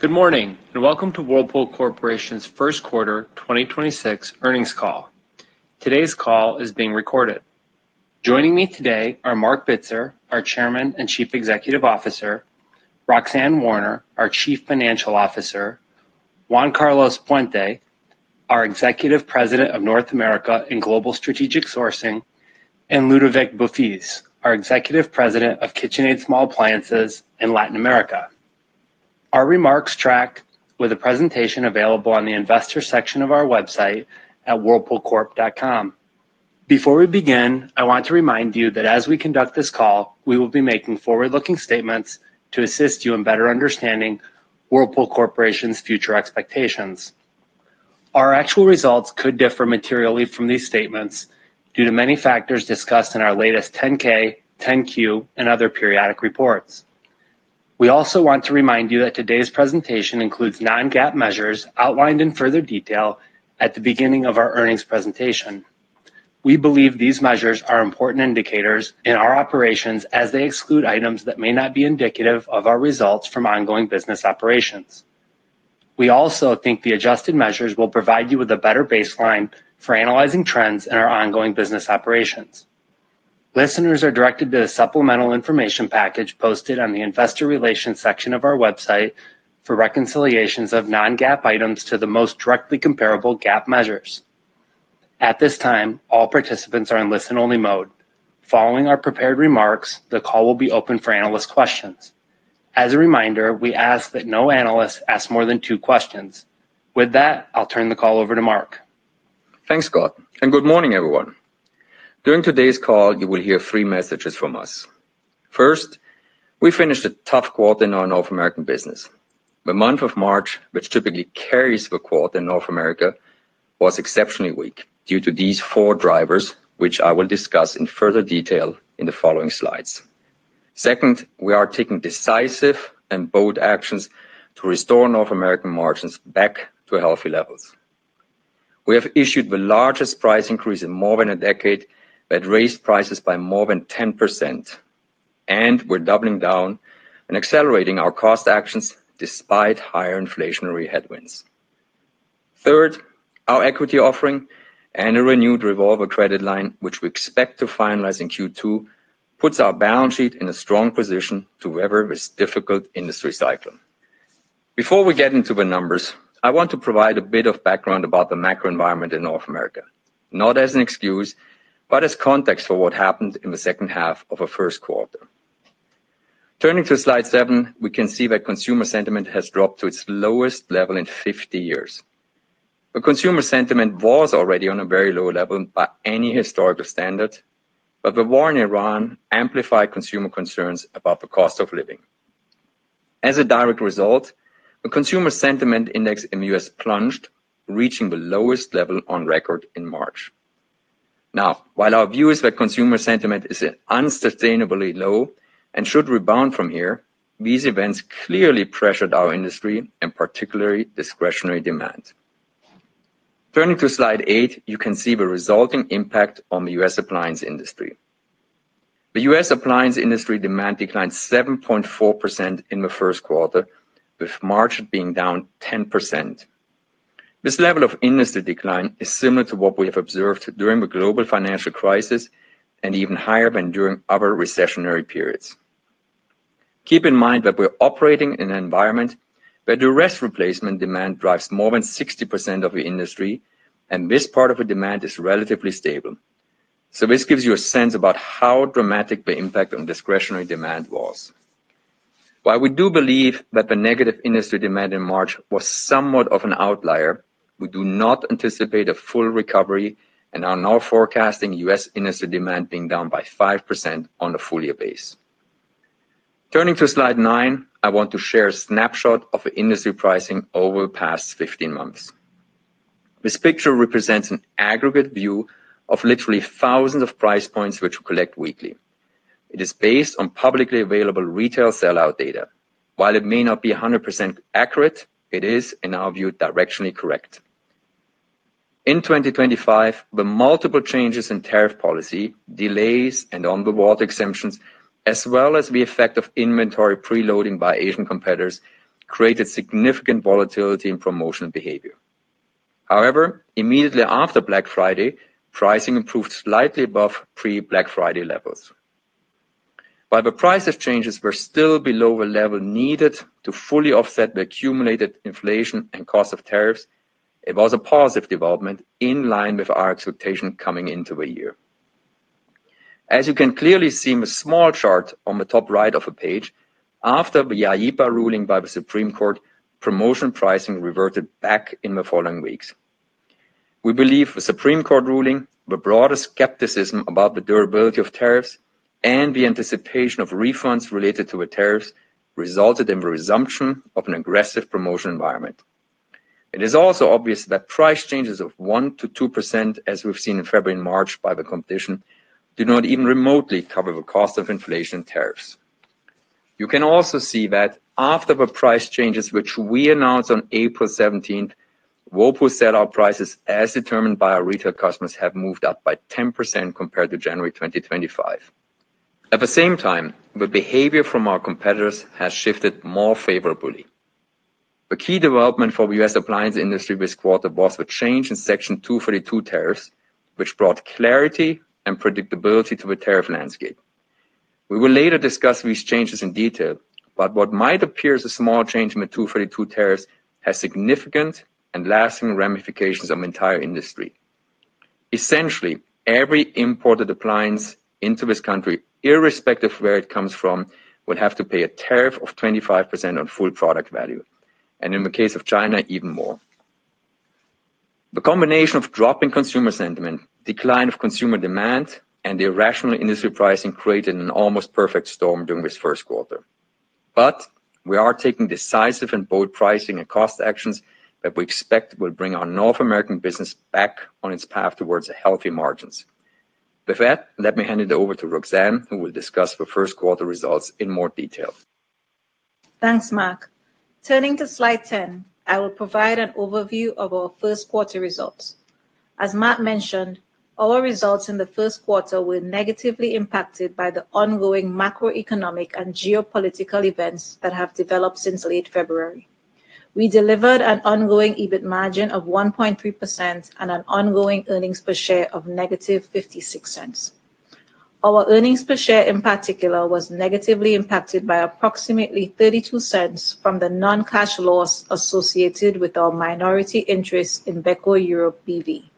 Good morning, and welcome to Whirlpool Corporation's first quarter 2026 earnings call. Today's call is being recorded. Joining me today are Marc Bitzer, our Chairman and Chief Executive Officer, Roxanne Warner, our Chief Financial Officer, Juan Carlos Puente, our Executive President of North America and Global Strategic Sourcing, and Ludovic Beaufils, our Executive President of KitchenAid Small Appliances in Latin America. Our remarks track with a presentation available on the investor section of our website at whirlpoolcorp.com. Before we begin, I want to remind you that as we conduct this call, we will be making forward-looking statements to assist you in better understanding Whirlpool Corporation's future expectations. Our actual results could differ materially from these statements due to many factors discussed in our latest 10-K, 10-Q, and other periodic reports. We also want to remind you that today's presentation includes non-GAAP measures outlined in further detail at the beginning of our earnings presentation. We believe these measures are important indicators in our operations as they exclude items that may not be indicative of our results from ongoing business operations. We also think the adjusted measures will provide you with a better baseline for analyzing trends in our ongoing business operations. Listeners are directed to the supplemental information package posted on the investor relations section of our website for reconciliations of non-GAAP items to the most directly comparable GAAP measures. At this time, all participants are in listen-only mode. Following our prepared remarks, the call will be open for analyst questions. As a reminder, we ask that no analyst asks more than two questions. With that, I'll turn the call over to Marc. Thanks, Scott, and good morning, everyone. During today's call, you will hear three messages from us. First, we finished a tough quarter in our North American business. The month of March, which typically carries the quarter in North America, was exceptionally weak due to these four drivers, which I will discuss in further detail in the following slides. Second, we are taking decisive and bold actions to restore North American margins back to healthy levels. We have issued the largest price increase in more than a decade that raised prices by more than 10%, and we're doubling down and accelerating our cost actions despite higher inflationary headwinds. Third, our equity offering and a renewed revolver credit line, which we expect to finalize in Q2, puts our balance sheet in a strong position to weather this difficult industry cycle. Before we get into the numbers, I want to provide a bit of background about the macro environment in North America, not as an excuse, but as context for what happened in the second half of the 1st quarter. Turning to slide seven, we can see that consumer sentiment has dropped to its lowest level in 50 years. The consumer sentiment was already on a very low level by any historical standard, the war in Iran amplified consumer concerns about the cost of living. As a direct result, the consumer sentiment index in the U.S. plunged, reaching the lowest level on record in March. While our view is that consumer sentiment is unsustainably low and should rebound from here, these events clearly pressured our industry and particularly discretionary demand. Turning to slide eight, you can see the resulting impact on the U.S. appliance industry. The U.S. appliance industry demand declined 7.4% in the first quarter, with March being down 10%. This level of industry decline is similar to what we have observed during the global financial crisis and even higher than during other recessionary periods. Keep in mind that we're operating in an environment where duress replacement demand drives more than 60% of the industry, and this part of the demand is relatively stable. This gives you a sense about how dramatic the impact on discretionary demand was. While we do believe that the negative industry demand in March was somewhat of an outlier, we do not anticipate a full recovery and are now forecasting U.S. industry demand being down by 5% on a full-year base. Turning to slide nine, I want to share a snapshot of industry pricing over the past 15 months. This picture represents an aggregate view of literally thousands of price points which we collect weekly. It is based on publicly available retail sellout data. While it may not be a 100% accurate, it is, in our view, directionally correct. In 2025, the multiple changes in tariff policy, delays, and on-the-world exemptions, as well as the effect of inventory preloading by Asian competitors, created significant volatility in promotional behavior. However, immediately after Black Friday, pricing improved slightly above pre-Black Friday levels. While the price changes were still below the level needed to fully offset the accumulated inflation and cost of tariffs, it was a positive development in line with our expectation coming into the year. As you can clearly see in the small chart on the top right of the page, after the IEEPA ruling by the Supreme Court, promotion pricing reverted back in the following weeks. We believe the Supreme Court ruling, the broader skepticism about the durability of tariffs, and the anticipation of refunds related to the tariffs resulted in the resumption of an aggressive promotion environment. It is also obvious that price changes of 1%-2%, as we've seen in February and March by the competition, do not even remotely cover the cost of inflation tariffs. You can also see that after the price changes which we announced on April 17th, Whirlpool set our prices as determined by our retail customers have moved up by 10% compared to January 2025. At the same time, the behavior from our competitors has shifted more favorably. The key development for U.S. appliance industry this quarter was the change in Section 232 tariffs, which brought clarity and predictability to the tariff landscape. We will later discuss these changes in detail. What might appear as a small change in the 232 tariffs has significant and lasting ramifications on the entire industry. Essentially, every imported appliance into this country, irrespective of where it comes from, would have to pay a tariff of 25% on full product value, and in the case of China, even more. The combination of dropping consumer sentiment, decline of consumer demand, and the irrational industry pricing created an almost perfect storm during this first quarter but we are taking decisive and bold pricing and cost actions that we expect will bring our North American business back on its path towards healthy margins. With that, let me hand it over to Roxanne, who will discuss the first quarter results in more detail. Thanks, Marc. Turning to slide 10, I will provide an overview of our first quarter results. As Marc mentioned, our results in the first quarter were negatively impacted by the ongoing macroeconomic and geopolitical events that have developed since late February. We delivered an ongoing EBIT margin of 1.3% and an ongoing earnings per share of -$0.56. Our earnings per share in particular was negatively impacted by approximately $0.32 from the non-cash loss associated with our minority interest in Beko Europe B.V.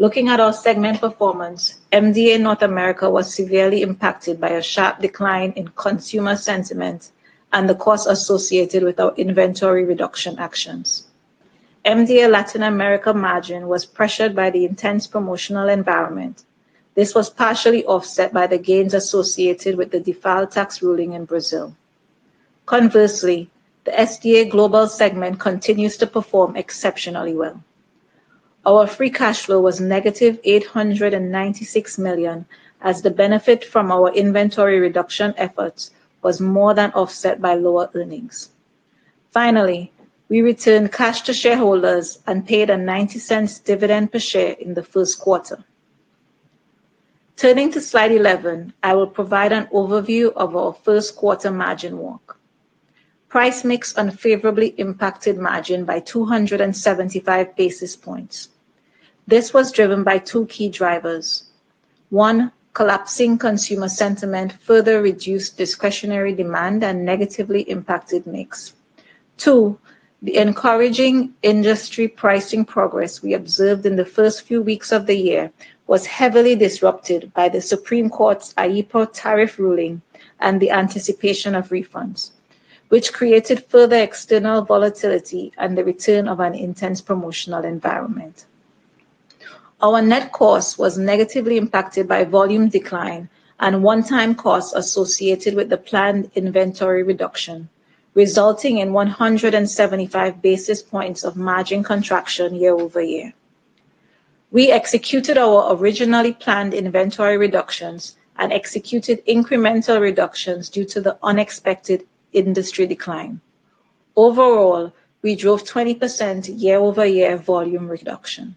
Looking at our segment performance, MDA North America was severely impacted by a sharp decline in consumer sentiment and the costs associated with our inventory reduction actions. MDA Latin America margin was pressured by the intense promotional environment. This was partially offset by the gains associated with the DIFAL tax ruling in Brazil. Conversely, the SDA Global segment continues to perform exceptionally well. Our free cash flow was negative $896 million, as the benefit from our inventory reduction efforts was more than offset by lower earnings. We returned cash to shareholders and paid a $0.90 dividend per share in the first quarter. Turning to slide 11, I will provide an overview of our first quarter margin walk. Price mix unfavorably impacted margin by 275 basis points. This was driven by two key drivers. One, collapsing consumer sentiment further reduced discretionary demand and negatively impacted mix. Two, the encouraging industry pricing progress we observed in the first few weeks of the year was heavily disrupted by the Supreme Court's IEEPA tariff ruling and the anticipation of refunds, which created further external volatility and the return of an intense promotional environment. Our net cost was negatively impacted by volume decline and one-time costs associated with the planned inventory reduction, resulting in 175 basis points of margin contraction year-over-year. We executed our originally planned inventory reductions and executed incremental reductions due to the unexpected industry decline. Overall, we drove 20% year-over-year volume reduction.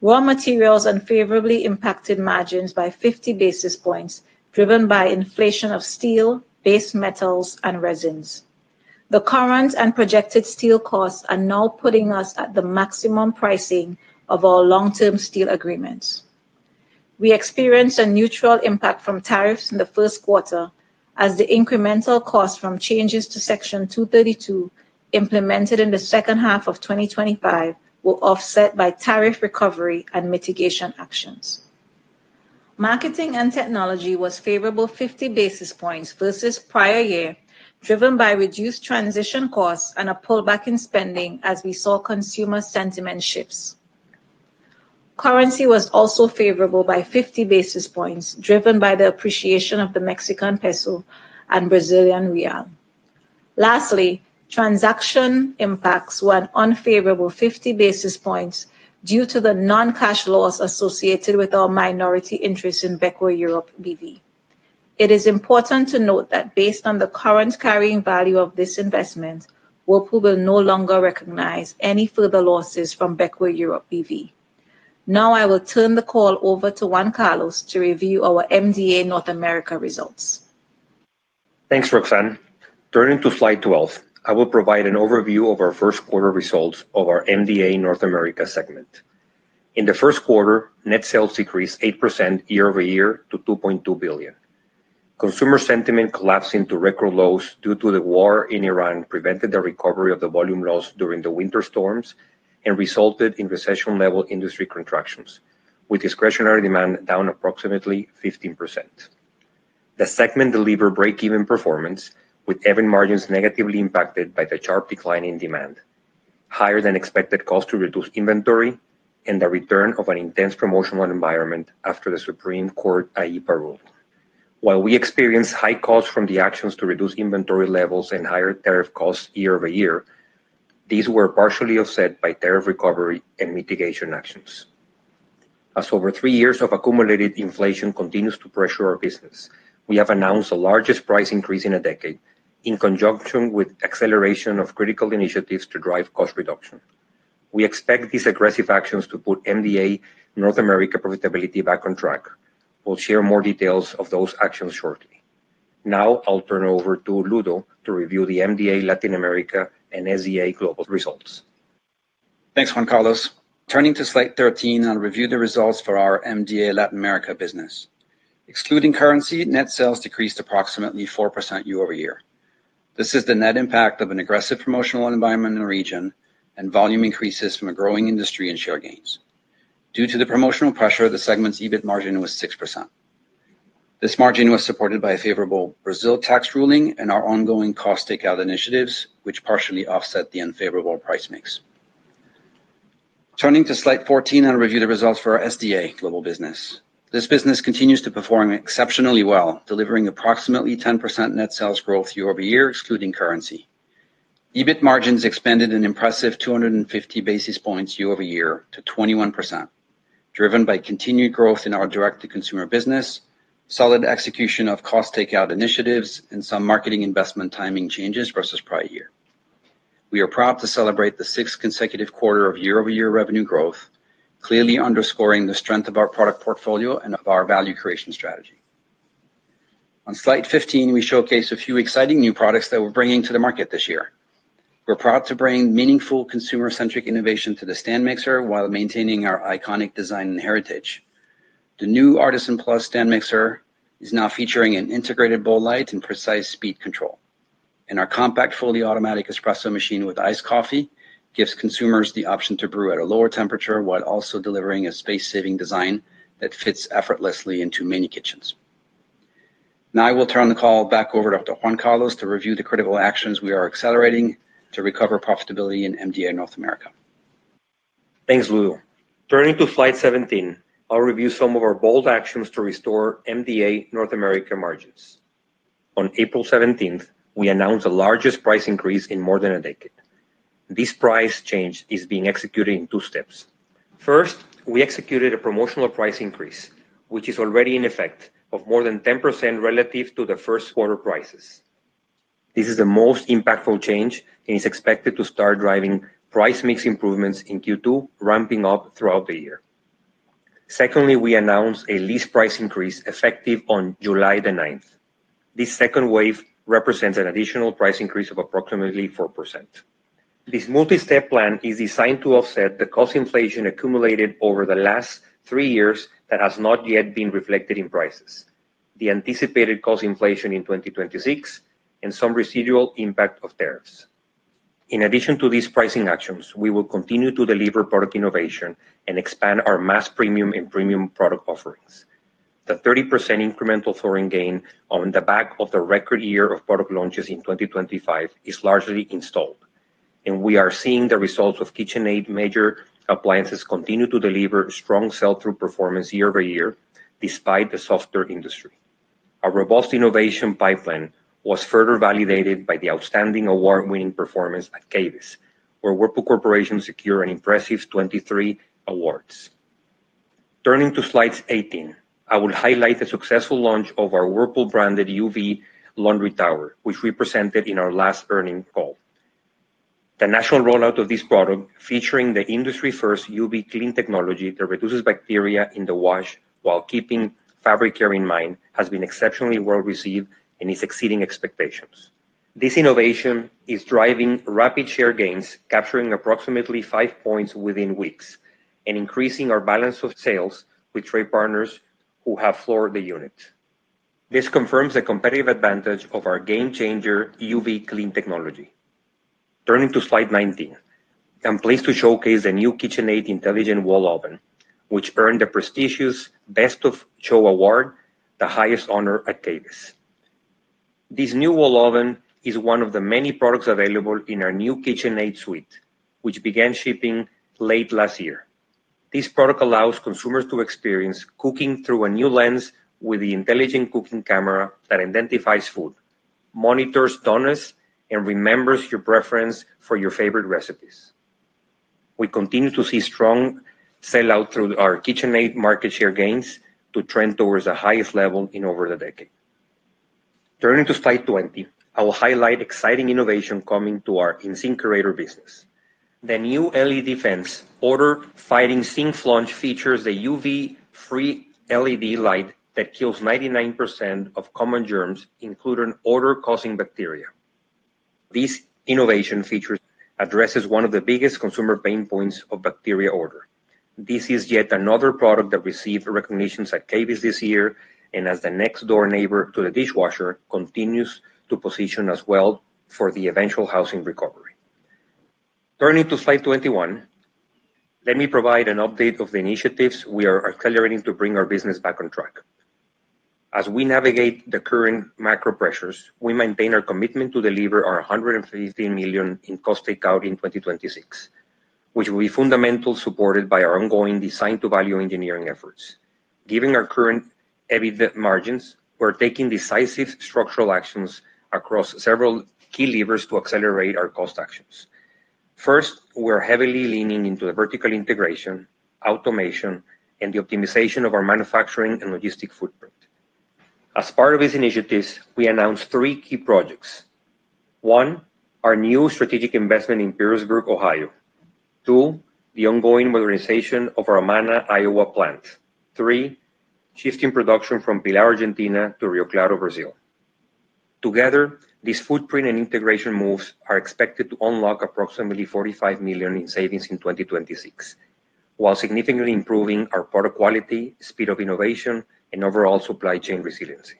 Raw materials unfavorably impacted margins by 50 basis points, driven by inflation of steel, base metals, and resins. The current and projected steel costs are now putting us at the maximum pricing of our long-term steel agreements. We experienced a neutral impact from tariffs in the first quarter as the incremental cost from changes to Section 232 implemented in the second half of 2025 were offset by tariff recovery and mitigation actions. Marketing and technology was favorable 50 basis points versus prior year, driven by reduced transition costs and a pullback in spending as we saw consumer sentiment shifts. Currency was also favorable by 50 basis points, driven by the appreciation of the Mexican peso and Brazilian real. Lastly, transaction impacts were an unfavorable 50 basis points due to the non-cash loss associated with our minority interest in Beko Europe B.V. It is important to note that based on the current carrying value of this investment, Whirlpool will no longer recognize any further losses from Beko Europe B.V. Now I will turn the call over to Juan Carlos to review our MDA North America results. Thanks, Roxanne. Turning to slide 12, I will provide an overview of our first quarter results of our MDA North America segment. In the first quarter, net sales decreased 8% year-over-year to $2.2 billion. Consumer sentiment collapsing to record lows due to the war in Iran prevented the recovery of the volume loss during the winter storms and resulted in recession-level industry contractions, with discretionary demand down approximately 15%. The segment delivered break-even performance, with EBIT margins negatively impacted by the sharp decline in demand, higher than expected cost to reduce inventory, and the return of an intense promotional environment after the Supreme Court IEEPA rule. While we experienced high costs from the actions to reduce inventory levels and higher tariff costs year-over-year, these were partially offset by tariff recovery and mitigation actions. As over three years of accumulated inflation continues to pressure our business, we have announced the largest price increase in a decade in conjunction with acceleration of critical initiatives to drive cost reduction. We expect these aggressive actions to put MDA North America profitability back on track. We'll share more details of those actions shortly. I'll turn over to Ludo to review the MDA Latin America and SDA Global results. Thanks, Juan Carlos. Turning to slide 13, I'll review the results for our MDA Latin America business. Excluding currency, net sales decreased approximately 4% year-over-year. This is the net impact of an aggressive promotional environment in the region and volume increases from a growing industry and share gains. Due to the promotional pressure, the segment's EBIT margin was 6%. This margin was supported by a favorable Brazil tax ruling and our ongoing cost takeout initiatives, which partially offset the unfavorable price mix. Turning to slide 14, I'll review the results for our SDA Global business. This business continues to perform exceptionally well, delivering approximately 10% net sales growth year-over-year, excluding currency. EBIT margins expanded an impressive 250 basis points year-over-year to 21%, driven by continued growth in our direct-to-consumer business, solid execution of cost takeout initiatives, and some marketing investment timing changes versus prior year. We are proud to celebrate the 6th consecutive quarter of year-over-year revenue growth, clearly underscoring the strength of our product portfolio and of our value creation strategy. On slide 15, we showcase a few exciting new products that we're bringing to the market this year. We're proud to bring meaningful consumer-centric innovation to the stand mixer while maintaining our iconic design and heritage. The new Artisan Plus stand mixer is now featuring an integrated bowl light and precise speed control. Our compact fully automatic espresso machine with iced coffee gives consumers the option to brew at a lower temperature while also delivering a space-saving design that fits effortlessly into many kitchens. I will turn the call back over to Juan Carlos to review the critical actions we are accelerating to recover profitability in MDA North America. Thanks, Ludo. Turning to slide 17, I'll review some of our bold actions to restore MDA North America margins. On April 17, we announced the largest price increase in more than a decade. This price change is being executed in two steps. First, we executed a promotional price increase, which is already in effect of more than 10% relative to the first quarter prices. This is the most impactful change and is expected to start driving price mix improvements in Q2, ramping up throughout the year. Secondly, we announced a list price increase effective on July 9. This second wave represents an additional price increase of approximately 4%. This multi-step plan is designed to offset the cost inflation accumulated over the last 3 years that has not yet been reflected in prices, the anticipated cost inflation in 2026, and some residual impact of tariffs. In addition to these pricing actions, we will continue to deliver product innovation and expand our mass premium and premium product offerings. The 30% incremental floor gain on the back of the record year of product launches in 2025 is largely installed, and we are seeing the results of KitchenAid major appliances continue to deliver strong sell-through performance year-over-year despite the softer industry. Our robust innovation pipeline was further validated by the outstanding award-winning performance at KBIS, where Whirlpool Corporation secured an impressive 23 awards. Turning to slide 18, I will highlight the successful launch of our Whirlpool-branded Whirlpool UV Laundry Tower, which we presented in our last earnings call. The national rollout of this product, featuring the industry-first UV Clean technology that reduces bacteria in the wash while keeping fabric care in mind, has been exceptionally well-received and is exceeding expectations. This innovation is driving rapid share gains, capturing approximately 5 points within weeks and increasing our balance of sales with trade partners who have floored the unit. This confirms the competitive advantage of our game-changer UV Clean technology. Turning to slide 19, I am pleased to showcase a new KitchenAid intelligent wall oven, which earned the prestigious Best of Show award, the highest honor at KBIS. This new wall oven is one of the many products available in our new KitchenAid suite, which began shipping late last year. This product allows consumers to experience cooking through a new lens with the intelligent cooking camera that identifies food, monitors doneness, and remembers your preference for your favorite recipes. We continue to see strong sell-out through our KitchenAid market share gains to trend towards the highest level in over a decade. Turning to slide 20, I will highlight exciting innovation coming to our InSinkErator business. The new LEDefense odor-fighting sink flange features a UV-free LED light that kills 99% of common germs, including odor-causing bacteria. This innovation feature addresses one of the biggest consumer pain points of bacteria odor. This is yet another product that received recognitions at KBIS this year, and as the next-door neighbor to the dishwasher, continues to position us well for the eventual housing recovery. Turning to slide 21, let me provide an update of the initiatives we are accelerating to bring our business back on track. As we navigate the current macro pressures, we maintain our commitment to deliver our $150 million in cost takeout in 2026, which will be fundamental supported by our ongoing design-to-value engineering efforts. Given our current EBIT margins, we're taking decisive structural actions across several key levers to accelerate our cost actions. First, we're heavily leaning into the vertical integration, automation, and the optimization of our manufacturing and logistic footprint. As part of these initiatives, we announced three key projects. One, our new strategic investment in Perrysburg, Ohio. Two, the ongoing modernization of our Amana, Iowa plant. Three, shifting production from Pilar, Argentina to Rio Claro, Brazil. Together, these footprint and integration moves are expected to unlock approximately $45 million in savings in 2026, while significantly improving our product quality, speed of innovation, and overall supply chain resiliency.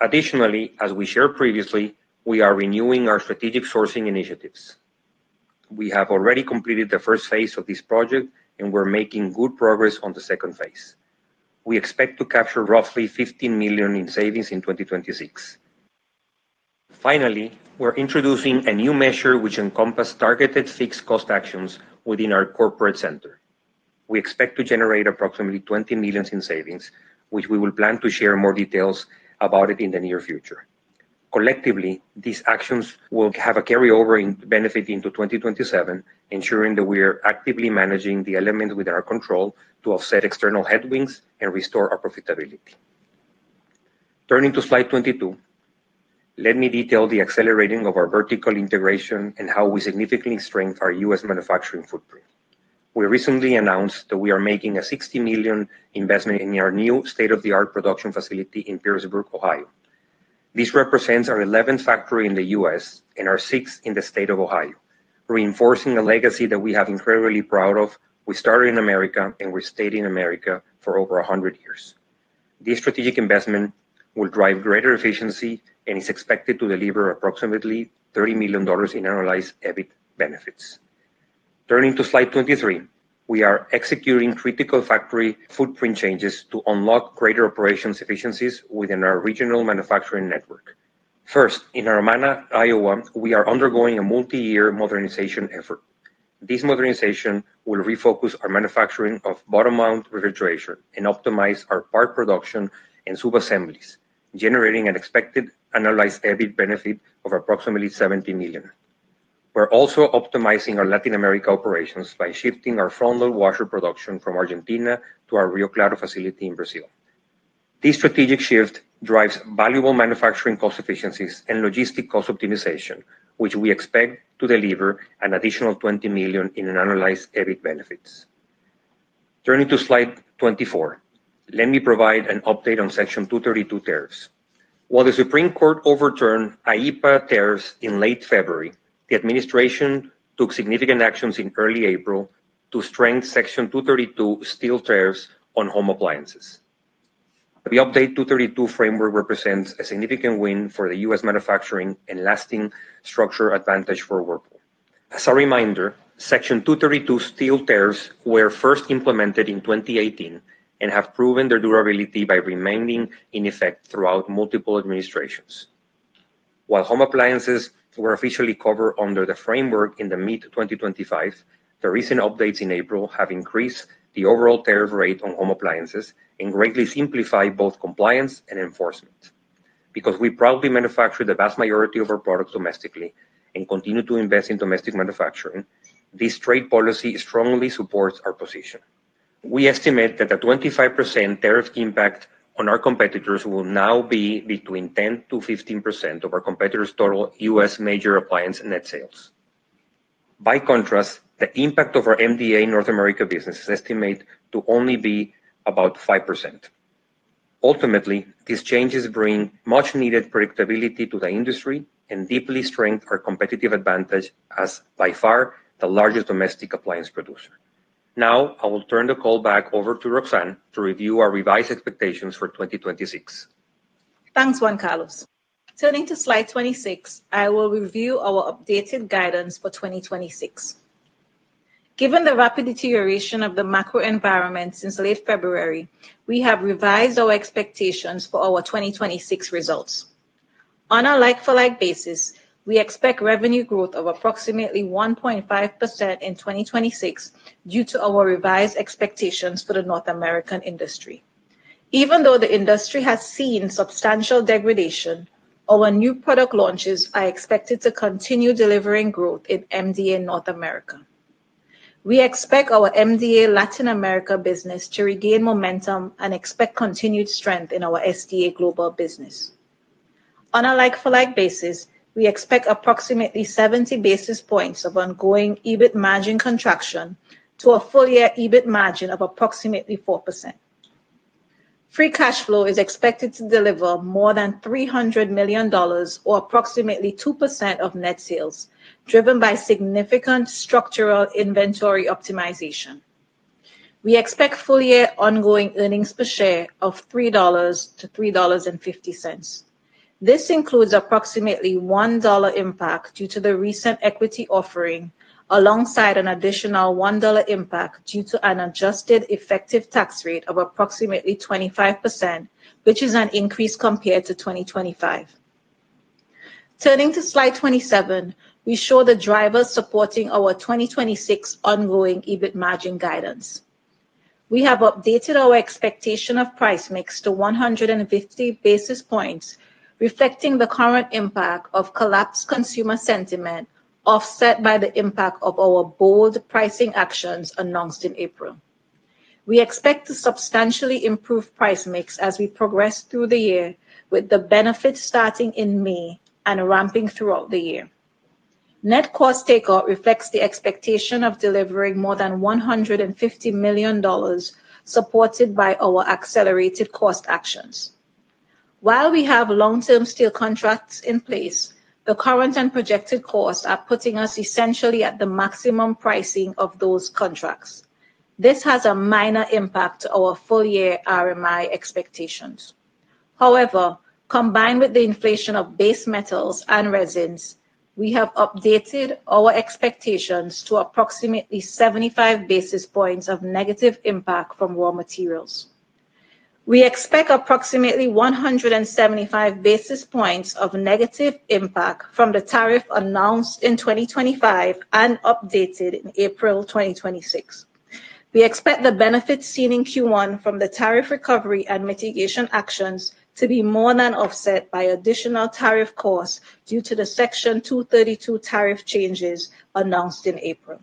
Additionally, as we shared previously, we are renewing our strategic sourcing initiatives. We have already completed the first phase of this project, and we're making good progress on the second phase. We expect to capture roughly $15 million in savings in 2026. Finally, we're introducing a new measure which encompass targeted fixed cost actions within our corporate center. We expect to generate approximately $20 million in savings, which we will plan to share more details about it in the near future. Collectively, these actions will have a carryover in benefit into 2027, ensuring that we are actively managing the elements with our control to offset external headwinds and restore our profitability. Turning to slide 22, let me detail the accelerating of our vertical integration and how we significantly strengthen our U.S. manufacturing footprint. We recently announced that we are making a $60 million investment in our new state-of-the-art production facility in Perrysburg, Ohio. This represents our 11th factory in the U.S. and our 6th in the state of Ohio, reinforcing a legacy that we have incredibly proud of. We started in America, and we stayed in America for over 100 years. This strategic investment will drive greater efficiency and is expected to deliver approximately $30 million in annualized EBIT benefits. Turning to slide 23, we are executing critical factory footprint changes to unlock greater operations efficiencies within our regional manufacturing network. First, in our Amana, Iowa, we are undergoing a multi-year modernization effort. This modernization will refocus our manufacturing of bottom mount refrigeration and optimize our part production and sub-assemblies, generating an expected annualized EBIT benefit of approximately $70 million. We're also optimizing our Latin America operations by shifting our front load washer production from Argentina to our Rio Claro facility in Brazil. This strategic shift drives valuable manufacturing cost efficiencies and logistic cost optimization, which we expect to deliver an additional $20 million in annualized EBIT benefits. Turning to slide 24, let me provide an update on Section 232 tariffs. While the Supreme Court overturned IEEPA tariffs in late February, the administration took significant actions in early April to strengthen Section 232 steel tariffs on home appliances. The updated 232 framework represents a significant win for the U.S. manufacturing and lasting structural advantage for Whirlpool. As a reminder, Section 232 steel tariffs were first implemented in 2018 and have proven their durability by remaining in effect throughout multiple administrations. While home appliances were officially covered under the framework in the mid-2025, the recent updates in April have increased the overall tariff rate on home appliances and greatly simplify both compliance and enforcement. Because we proudly manufacture the vast majority of our products domestically and continue to invest in domestic manufacturing, this trade policy strongly supports our position. We estimate that the 25% tariff impact on our competitors will now be between 10% to 15% of our competitors' total U.S. major appliance net sales. By contrast, the impact of our MDA North America business is estimated to only be about 5%. Ultimately, these changes bring much needed predictability to the industry and deeply strength our competitive advantage as, by far, the largest domestic appliance producer. I will turn the call back over to Roxanne to review our revised expectations for 2026. Thanks, Juan Carlos. Turning to slide 26, I will review our updated guidance for 2026. Given the rapid deterioration of the macro environment since late February, we have revised our expectations for our 2026 results. On a like-for-like basis, we expect revenue growth of approximately 1.5% in 2026 due to our revised expectations for the North American industry. Even though the industry has seen substantial degradation, our new product launches are expected to continue delivering growth in MDA North America. We expect our MDA Latin America business to regain momentum and expect continued strength in our SDA Global business. On a like-for-like basis, we expect approximately 70 basis points of ongoing EBIT margin contraction to a full-year EBIT margin of approximately 4%. Free cash flow is expected to deliver more than $300 million or approximately 2% of net sales, driven by significant structural inventory optimization. We expect full-year ongoing earnings per share of $3.00-$3.50. This includes approximately $1 impact due to the recent equity offering, alongside an additional $1 impact due to an adjusted effective tax rate of approximately 25%, which is an increase compared to 2025. Turning to slide 27, we show the drivers supporting our 2026 ongoing EBIT margin guidance. We have updated our expectation of price mix to 150 basis points, reflecting the current impact of collapsed consumer sentiment, offset by the impact of our bold pricing actions announced in April. We expect to substantially improve price mix as we progress through the year with the benefits starting in May and ramping throughout the year. Net cost takeout reflects the expectation of delivering more than $150 million, supported by our accelerated cost actions. While we have long-term steel contracts in place, the current and projected costs are putting us essentially at the maximum pricing of those contracts. This has a minor impact to our full year RMI expectations. However, combined with the inflation of base metals and resins, we have updated our expectations to approximately 75 basis points of negative impact from raw materials. We expect approximately 175 basis points of negative impact from the tariff announced in 2025 and updated in April 2026. We expect the benefits seen in Q1 from the tariff recovery and mitigation actions to be more than offset by additional tariff costs due to the Section 232 tariff changes announced in April.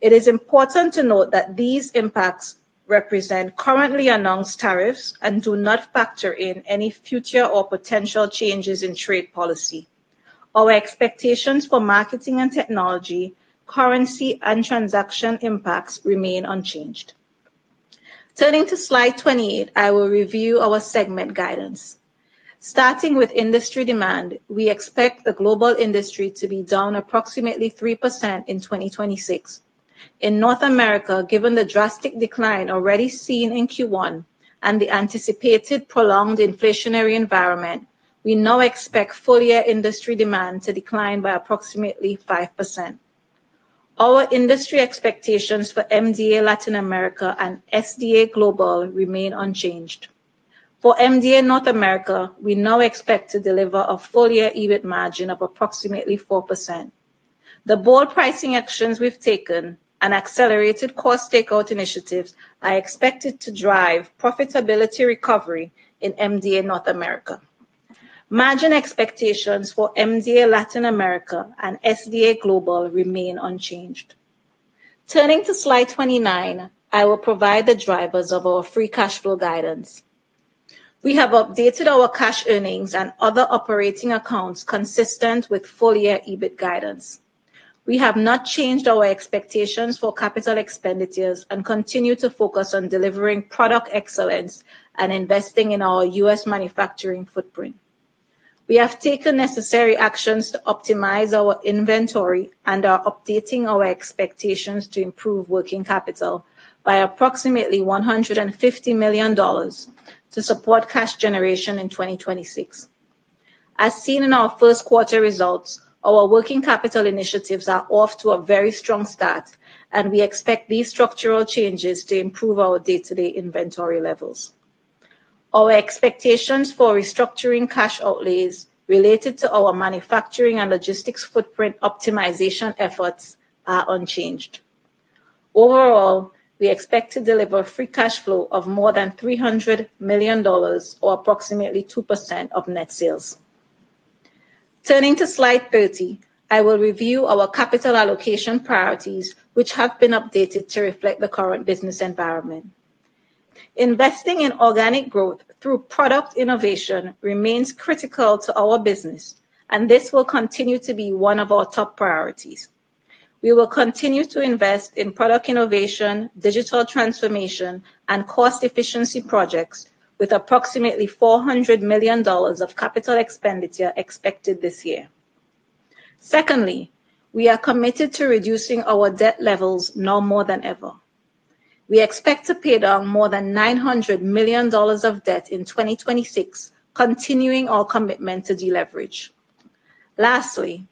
It is important to note that these impacts represent currently announced tariffs and do not factor in any future or potential changes in trade policy. Our expectations for marketing and technology, currency, and transaction impacts remain unchanged. Turning to slide 28, I will review our segment guidance. Starting with industry demand, we expect the global industry to be down approximately 3% in 2026. In North America, given the drastic decline already seen in Q1 and the anticipated prolonged inflationary environment, we now expect full-year industry demand to decline by approximately 5%. Our industry expectations for MDA Latin America and SDA Global remain unchanged. For MDA North America, we now expect to deliver a full-year EBIT margin of approximately 4%. The bold pricing actions we've taken and accelerated cost takeout initiatives are expected to drive profitability recovery in MDA North America. Margin expectations for MDA Latin America and SDA Global remain unchanged. Turning to slide 29, I will provide the drivers of our free cash flow guidance. We have updated our cash earnings and other operating accounts consistent with full-year EBIT guidance. We have not changed our expectations for capital expenditures and continue to focus on delivering product excellence and investing in our U.S. manufacturing footprint. We have taken necessary actions to optimize our inventory and are updating our expectations to improve working capital by approximately $150 million to support cash generation in 2026. As seen in our 1st quarter results, our working capital initiatives are off to a very strong start, and we expect these structural changes to improve our day-to-day inventory levels. Our expectations for restructuring cash outlays related to our manufacturing and logistics footprint optimization efforts are unchanged. Overall, we expect to deliver free cash flow of more than $300 million or approximately 2% of net sales. Turning to slide 30, I will review our capital allocation priorities, which have been updated to reflect the current business environment. Investing in organic growth through product innovation remains critical to our business, and this will continue to be one of our top priorities. We will continue to invest in product innovation, digital transformation, and cost efficiency projects with approximately $400 million of capital expenditure expected this year. Secondly, we are committed to reducing our debt levels now more than ever. We expect to pay down more than $900 million of debt in 2026, continuing our commitment to deleverage. Lastly,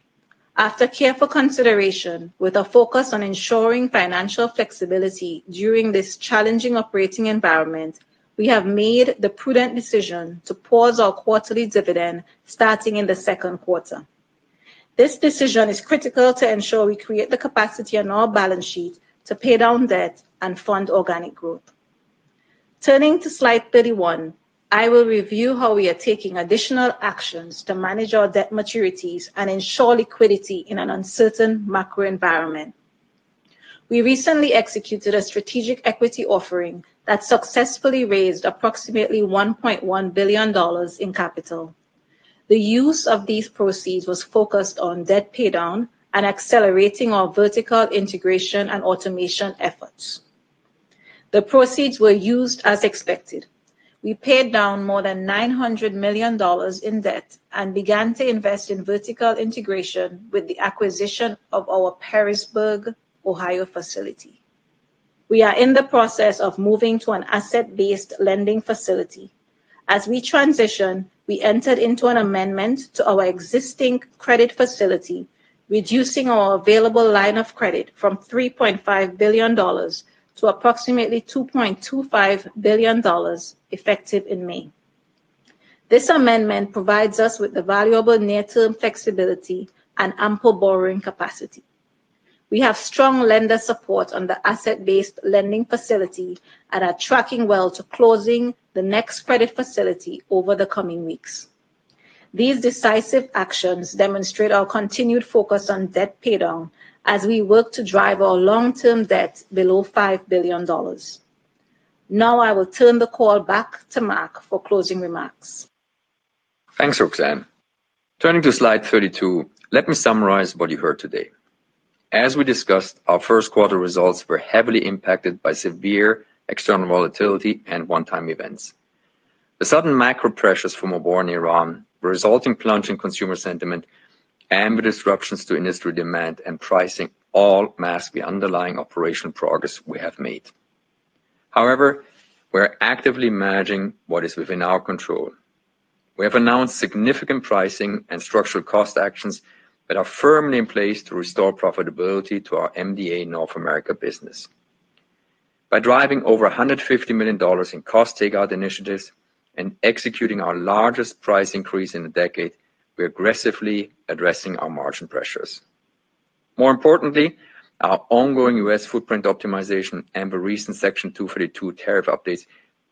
after careful consideration with a focus on ensuring financial flexibility during this challenging operating environment, we have made the prudent decision to pause our quarterly dividend starting in the second quarter. This decision is critical to ensure we create the capacity on our balance sheet to pay down debt and fund organic growth. Turning to slide 31, I will review how we are taking additional actions to manage our debt maturities and ensure liquidity in an uncertain macro environment. We recently executed a strategic equity offering that successfully raised approximately $1.1 billion in capital. The use of these proceeds was focused on debt paydown and accelerating our vertical integration and automation efforts. The proceeds were used as expected. We paid down more than $900 million in debt and began to invest in vertical integration with the acquisition of our Perrysburg, Ohio, facility. We are in the process of moving to an asset-based lending facility. As we transition, we entered into an amendment to our existing credit facility, reducing our available line of credit from $3.5 billion to approximately $2.25 billion effective in May. This amendment provides us with the valuable near-term flexibility and ample borrowing capacity. We have strong lender support on the asset-based lending facility and are tracking well to closing the next credit facility over the coming weeks. These decisive actions demonstrate our continued focus on debt paydown as we work to drive our long-term debt below $5 billion. Now I will turn the call back to Marc for closing remarks. Thanks, Roxanne. Turning to slide 32, let me summarize what you heard today. As we discussed, our first quarter results were heavily impacted by severe external volatility and one-time events. The sudden macro pressures from a war in Iran, the resulting plunge in consumer sentiment, and the disruptions to industry demand and pricing all masked the underlying operational progress we have made. However, we're actively managing what is within our control. We have announced significant pricing and structural cost actions that are firmly in place to restore profitability to our MDA North America business. By driving over $150 million in cost takeout initiatives and executing our largest price increase in a decade, we're aggressively addressing our margin pressures. More importantly, our ongoing U.S. footprint optimization and the recent Section 232 tariff updates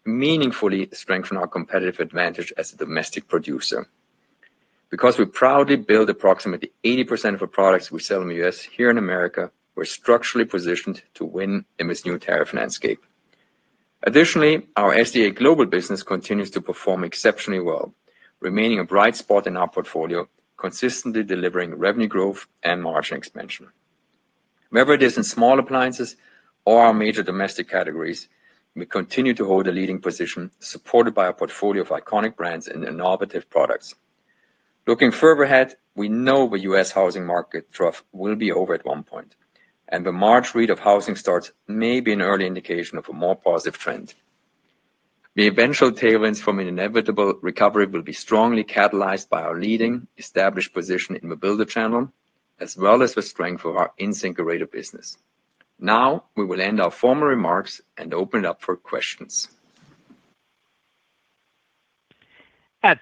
meaningfully strengthen our competitive advantage as a domestic producer. Because we proudly build approximately 80% of our products we sell in the U.S. here in America, we're structurally positioned to win in this new tariff landscape. Additionally, our SDA Global business continues to perform exceptionally well, remaining a bright spot in our portfolio, consistently delivering revenue growth and margin expansion. Whether it is in small appliances or our major domestic categories, we continue to hold a leading position supported by a portfolio of iconic brands and innovative products. Looking further ahead, we know the U.S. housing market trough will be over at 1 point, and the March read of housing starts may be an early indication of a more positive trend. The eventual tailwinds from an inevitable recovery will be strongly catalyzed by our leading established position in the builder channel, as well as the strength of our InSinkErator business. Now, we will end our formal remarks and open it up for questions. Your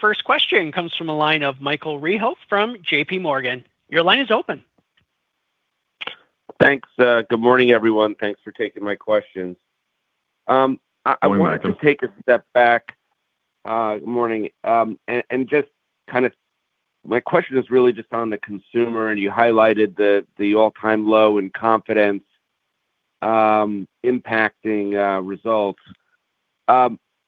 first question comes from the line of Michael Rehaut from JPMorgan. Your line is open. Thanks. Good morning, everyone. Thanks for taking my questions. I wanted to take a step back. Good morning. Good morning. My question is really just on the consumer, and you highlighted the all-time low in confidence impacting results.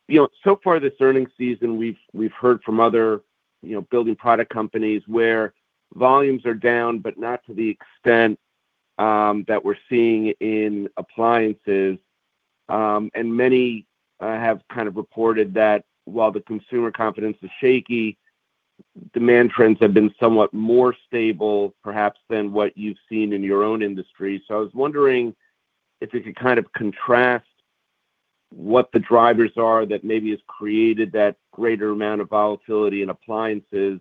You know, so far this earnings season, we've heard from other, you know, building product companies where volumes are down, but not to the extent that we're seeing in appliances. Many have reported that while the consumer confidence is shaky, demand trends have been somewhat more stable perhaps than what you've seen in your own industry. I was wondering if you could contrast what the drivers are that maybe has created that greater amount of volatility in appliances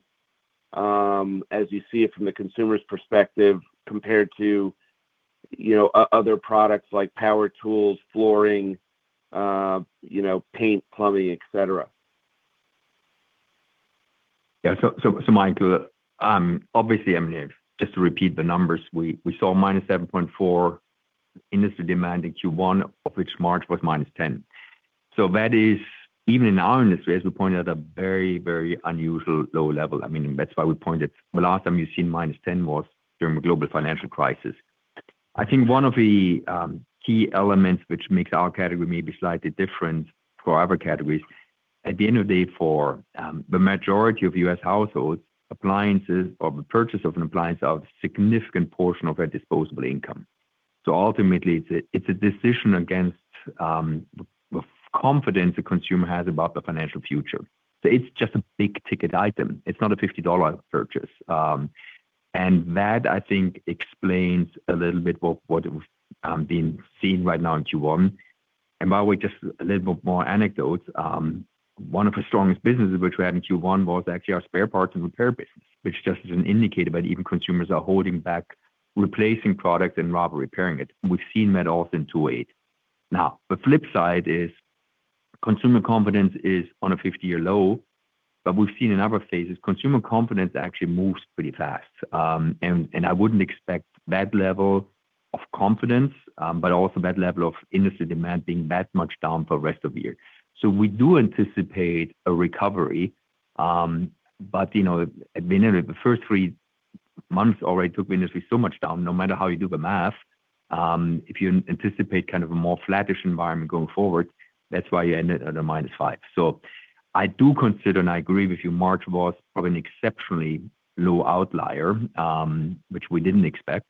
as you see it from the consumer's perspective compared to other products like power tools, flooring, paint, plumbing, et cetera. So Michael, obviously, just to repeat the numbers, we saw -7.4% industry demand in Q1, of which March was -10%. That is, even in our industry, as we pointed out, a very unusual low level. I mean, that's why we pointed the last time you've seen -10% was during the global financial crisis. I think one of the key elements which makes our category maybe slightly different to our other categories, at the end of the day, for the majority of U.S. households, appliances or the purchase of an appliance are a significant portion of their disposable income. Ultimately, it's a decision against the confidence the consumer has about the financial future. It's just a big-ticket item. It's not a $50 purchase. That I think explains a little bit what being seen right now in Q1. By the way, just a little bit more anecdotes. One of the strongest businesses which we had in Q1 was actually our spare parts and repair business, which just is an indicator that even consumers are holding back replacing product and rather repairing it. We've seen that often to aid. Now, the flip side is consumer confidence is on a 50-year low, but we've seen in other phases, consumer confidence actually moves pretty fast. I wouldn't expect that level of confidence, but also that level of industry demand being that much down for rest of the year. We do anticipate a recovery, but you know, I mean, the first three months already took industry so much down, no matter how you do the math, if you anticipate kind of a more flattish environment going forward, that's why you ended at a -5. I do consider, and I agree with you, March was probably an exceptionally low outlier, which we didn't expect.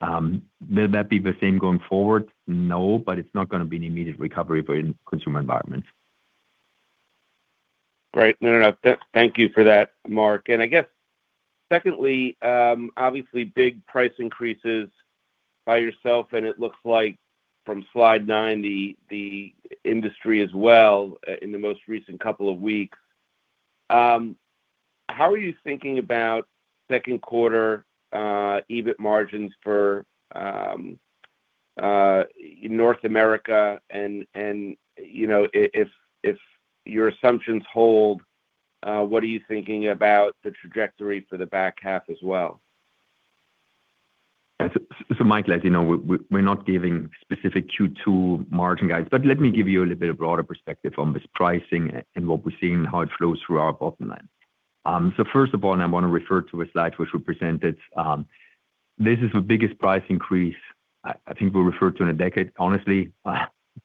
Will that be the same going forward? No, but it's not gonna be an immediate recovery for consumer environment. Great. No, no. Thank you for that, Marc. I guess secondly, obviously big price increases by yourself, and it looks like from slide 9, the industry as well, in the most recent couple of weeks. How are you thinking about second quarter EBIT margins for North America? You know, if your assumptions hold, what are you thinking about the trajectory for the back half as well? Mike, as you know, we're not giving specific Q2 margin guides, but let me give you a little bit of broader perspective on this pricing and what we're seeing and how it flows through our bottom line. First of all, and I wanna refer to a slide which we presented. This is the biggest price increase I think we referred to in a decade. Honestly,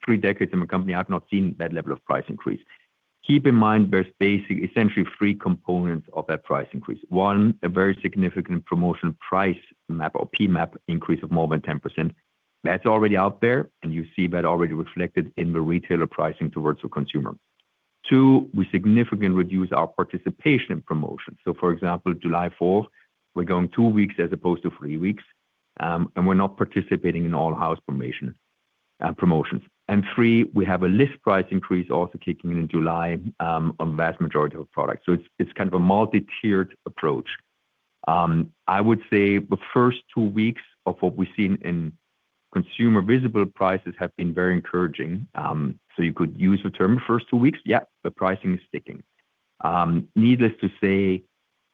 three decades in the company, I've not seen that level of price increase. Keep in mind, there's essentially three components of that price increase. One, a very significant promotional price map or PMAP increase of more than 10%. That's already out there, and you see that already reflected in the retailer pricing towards the consumer. Two, we significantly reduce our participation in promotions. For example, July 4th, we're going two weeks as opposed to three weeks, and we're not participating in all house promotions. Three, we have a list price increase also kicking in in July on vast majority of products. It's kind of a multi-tiered approach. I would say the first two weeks of what we've seen in consumer visible prices have been very encouraging. You could use the term first two weeks, yeah, the pricing is sticking. Needless to say,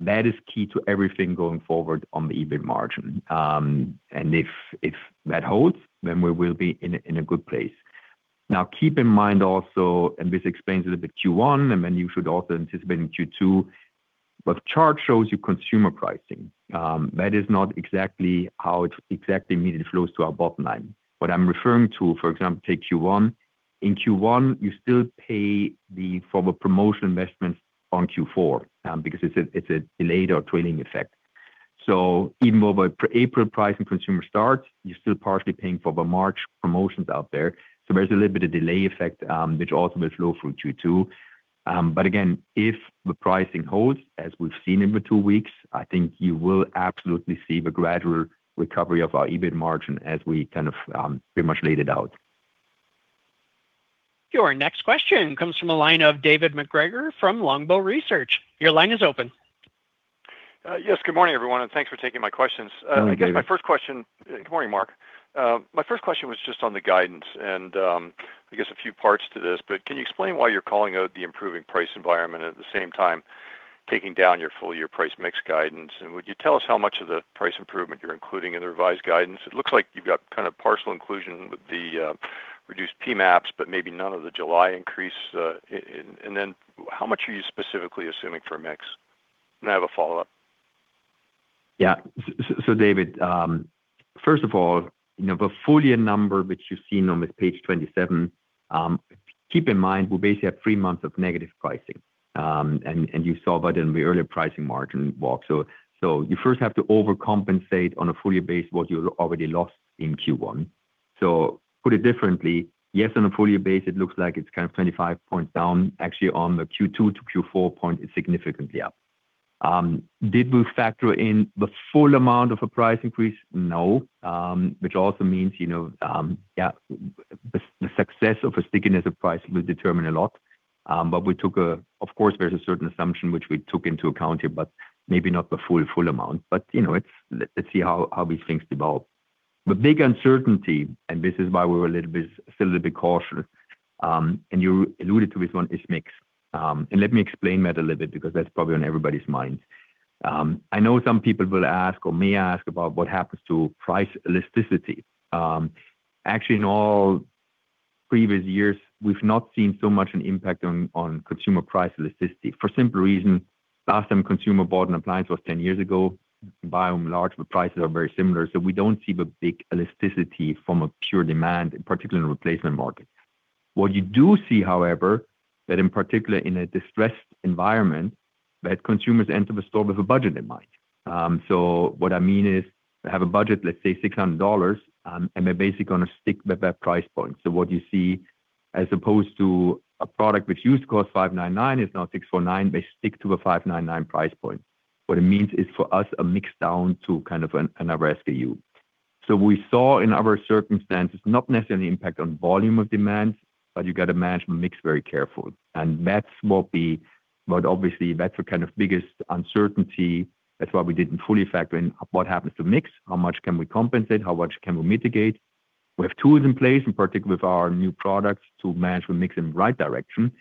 that is key to everything going forward on the EBIT margin. If that holds, then we will be in a good place. Now keep in mind also, and this explains a little bit Q1, and then you should also anticipate in Q2, but the chart shows you consumer pricing. That is not exactly how it exactly immediately flows to our bottom line. What I'm referring to, for example, take Q1. In Q1, you still pay the former promotion investments on Q4 because it's a, it's a delayed or trailing effect. Even though the April pricing consumer starts, you're still partially paying for the March promotions out there. There's a little bit of delay effect which also will flow through Q2. Again, if the pricing holds as we've seen in the two weeks, I think you will absolutely see the gradual recovery of our EBIT margin as we kind of pretty much laid it out. Your next question comes from the line of David MacGregor from Longbow Research. Your line is open. Yes. Good morning, everyone, and thanks for taking my questions. Morning, David. I guess my first question. Good morning, Marc Bitzer. My first question was just on the guidance and, I guess a few parts to this, but can you explain why you're calling out the improving price environment at the same time taking down your full-year price mix guidance? Would you tell us how much of the price improvement you're including in the revised guidance? It looks like you've got kind of partial inclusion with the reduced PMAPs, but maybe none of the July increase, and then how much are you specifically assuming for mix? I have a follow-up. Yeah. David, first of all, you know, the full year number which you've seen on this page 27, keep in mind, we basically have 3 months of negative pricing. You saw that in the earlier pricing margin walk. You first have to overcompensate on a full year base what you already lost in Q1. Put it differently, yes, on a full year base, it looks like it's kind of 25 points down. Actually, on the Q2 to Q4 point, it's significantly up. Did we factor in the full amount of a price increase? No. Which also means, you know, the success of a stickiness of price will determine a lot. Of course, there's a certain assumption which we took into account here, but maybe not the full amount. You know, let's see how these things develop. The big uncertainty, and this is why we're still a little bit cautious, and you alluded to this one, is mix. Let me explain that a little bit because that's probably on everybody's mind. I know some people will ask or may ask about what happens to price elasticity. Actually, in all previous years, we've not seen so much an impact on consumer price elasticity for simple reason. Last time consumer bought an appliance was 10 years ago. By and large, the prices are very similar, we don't see the big elasticity from a pure demand, particularly in the replacement market. What you do see, however, that in particular in a distressed environment, that consumers enter the store with a budget in mind. What I mean is they have a budget, let's say $600, and they basically gonna stick with that price point. What you see as opposed to a product which used to cost $599 is now $649, they stick to the $599 price point. What it means is for us, a mix down to kind of an SKU. We saw in our circumstances, not necessarily impact on volume of demand, but you gotta manage the mix very carefully. That's what we. Obviously, that's the kind of biggest uncertainty. That's why we didn't fully factor in what happens to mix, how much can we compensate, how much can we mitigate. We have tools in place, in particular with our new products, to manage the mix in the right direction.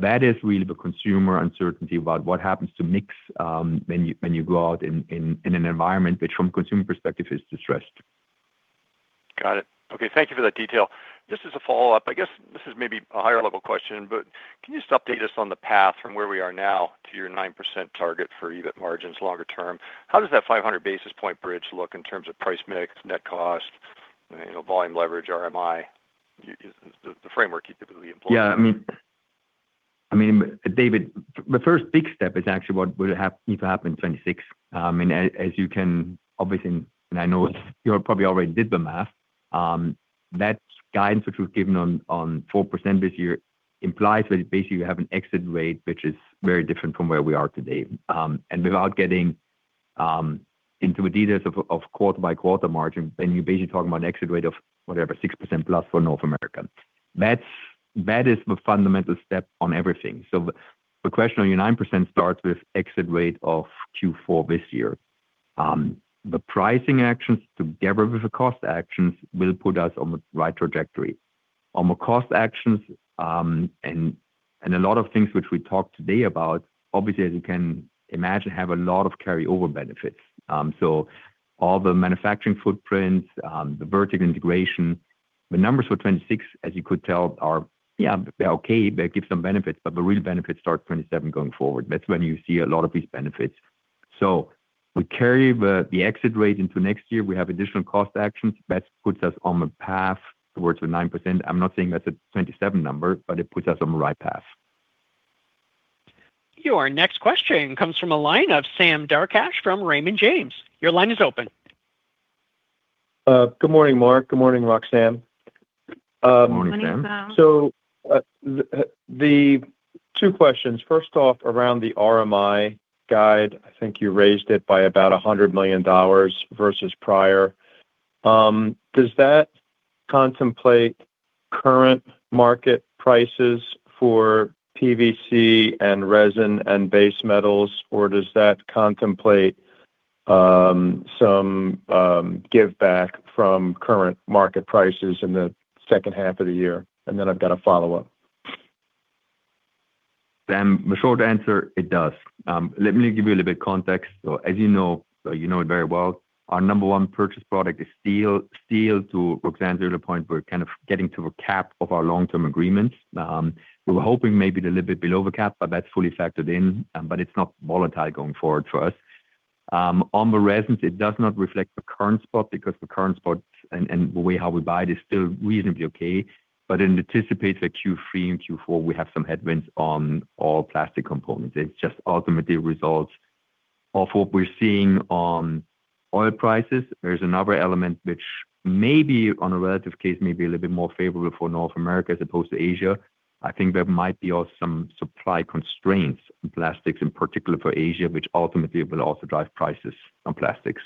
That is really the consumer uncertainty about what happens to mix, when you go out in an environment which from consumer perspective is distressed. Got it. Okay. Thank you for that detail. Just as a follow-up, I guess this is maybe a higher level question, but can you just update us on the path from where we are now to your 9% target for EBIT margins longer term? How does that 500 basis point bridge look in terms of price mix, net cost, you know, volume leverage, RMI, you the framework you typically employ? Yeah. David, the first big step is actually what will need to happen in 2026. As you can obviously, and I know you probably already did the math, that guidance which we've given on 4% this year implies that basically you have an exit rate which is very different from where we are today. Without getting into the details of quarter-by-quarter margin, you're basically talking about an exit rate of whatever, 6%+ for North America. That is the fundamental step on everything. The question on your 9% starts with exit rate of Q4 this year. The pricing actions together with the cost actions will put us on the right trajectory. On the cost actions, a lot of things which we talked today about, obviously, as you can imagine, have a lot of carryover benefits. All the manufacturing footprints, the vertical integration, the numbers for 2026, as you could tell, are, they're okay, they give some benefits, but the real benefits start 2027 going forward. That's when you see a lot of these benefits. We carry the exit rate into next year. We have additional cost actions. That puts us on the path towards the 9%. I'm not saying that's a 2027 number, but it puts us on the right path. Your next question comes from a line of Sam Darkatsh from Raymond James. Your line is open. Good morning, Marc. Good morning, Roxanne. Good morning, Sam. Two questions. First off, around the RMI guide, I think you raised it by about $100 million versus prior. Does that contemplate current market prices for PVC and resin and base metals, or does that contemplate some giveback from current market prices in the second half of the year? Then I've got a follow-up. Sam, the short answer, it does. Let me give you a little bit context. As you know, you know it very well, our number one purchase product is steel. Steel, to Roxanne's earlier point, we're kind of getting to a cap of our long-term agreements. We were hoping maybe a little bit below the cap, but that's fully factored in, it's not volatile going forward for us. On the resins, it does not reflect the current spot because the current spot and the way how we buy it is still reasonably okay, but it anticipates that Q3 and Q4 we have some headwinds on all plastic components. It just ultimately results of what we're seeing on oil prices. There's another element which may be on a relative case may be a little bit more favorable for North America as opposed to Asia. I think there might be also some supply constraints in plastics, in particular for Asia, which ultimately will also drive prices on plastics.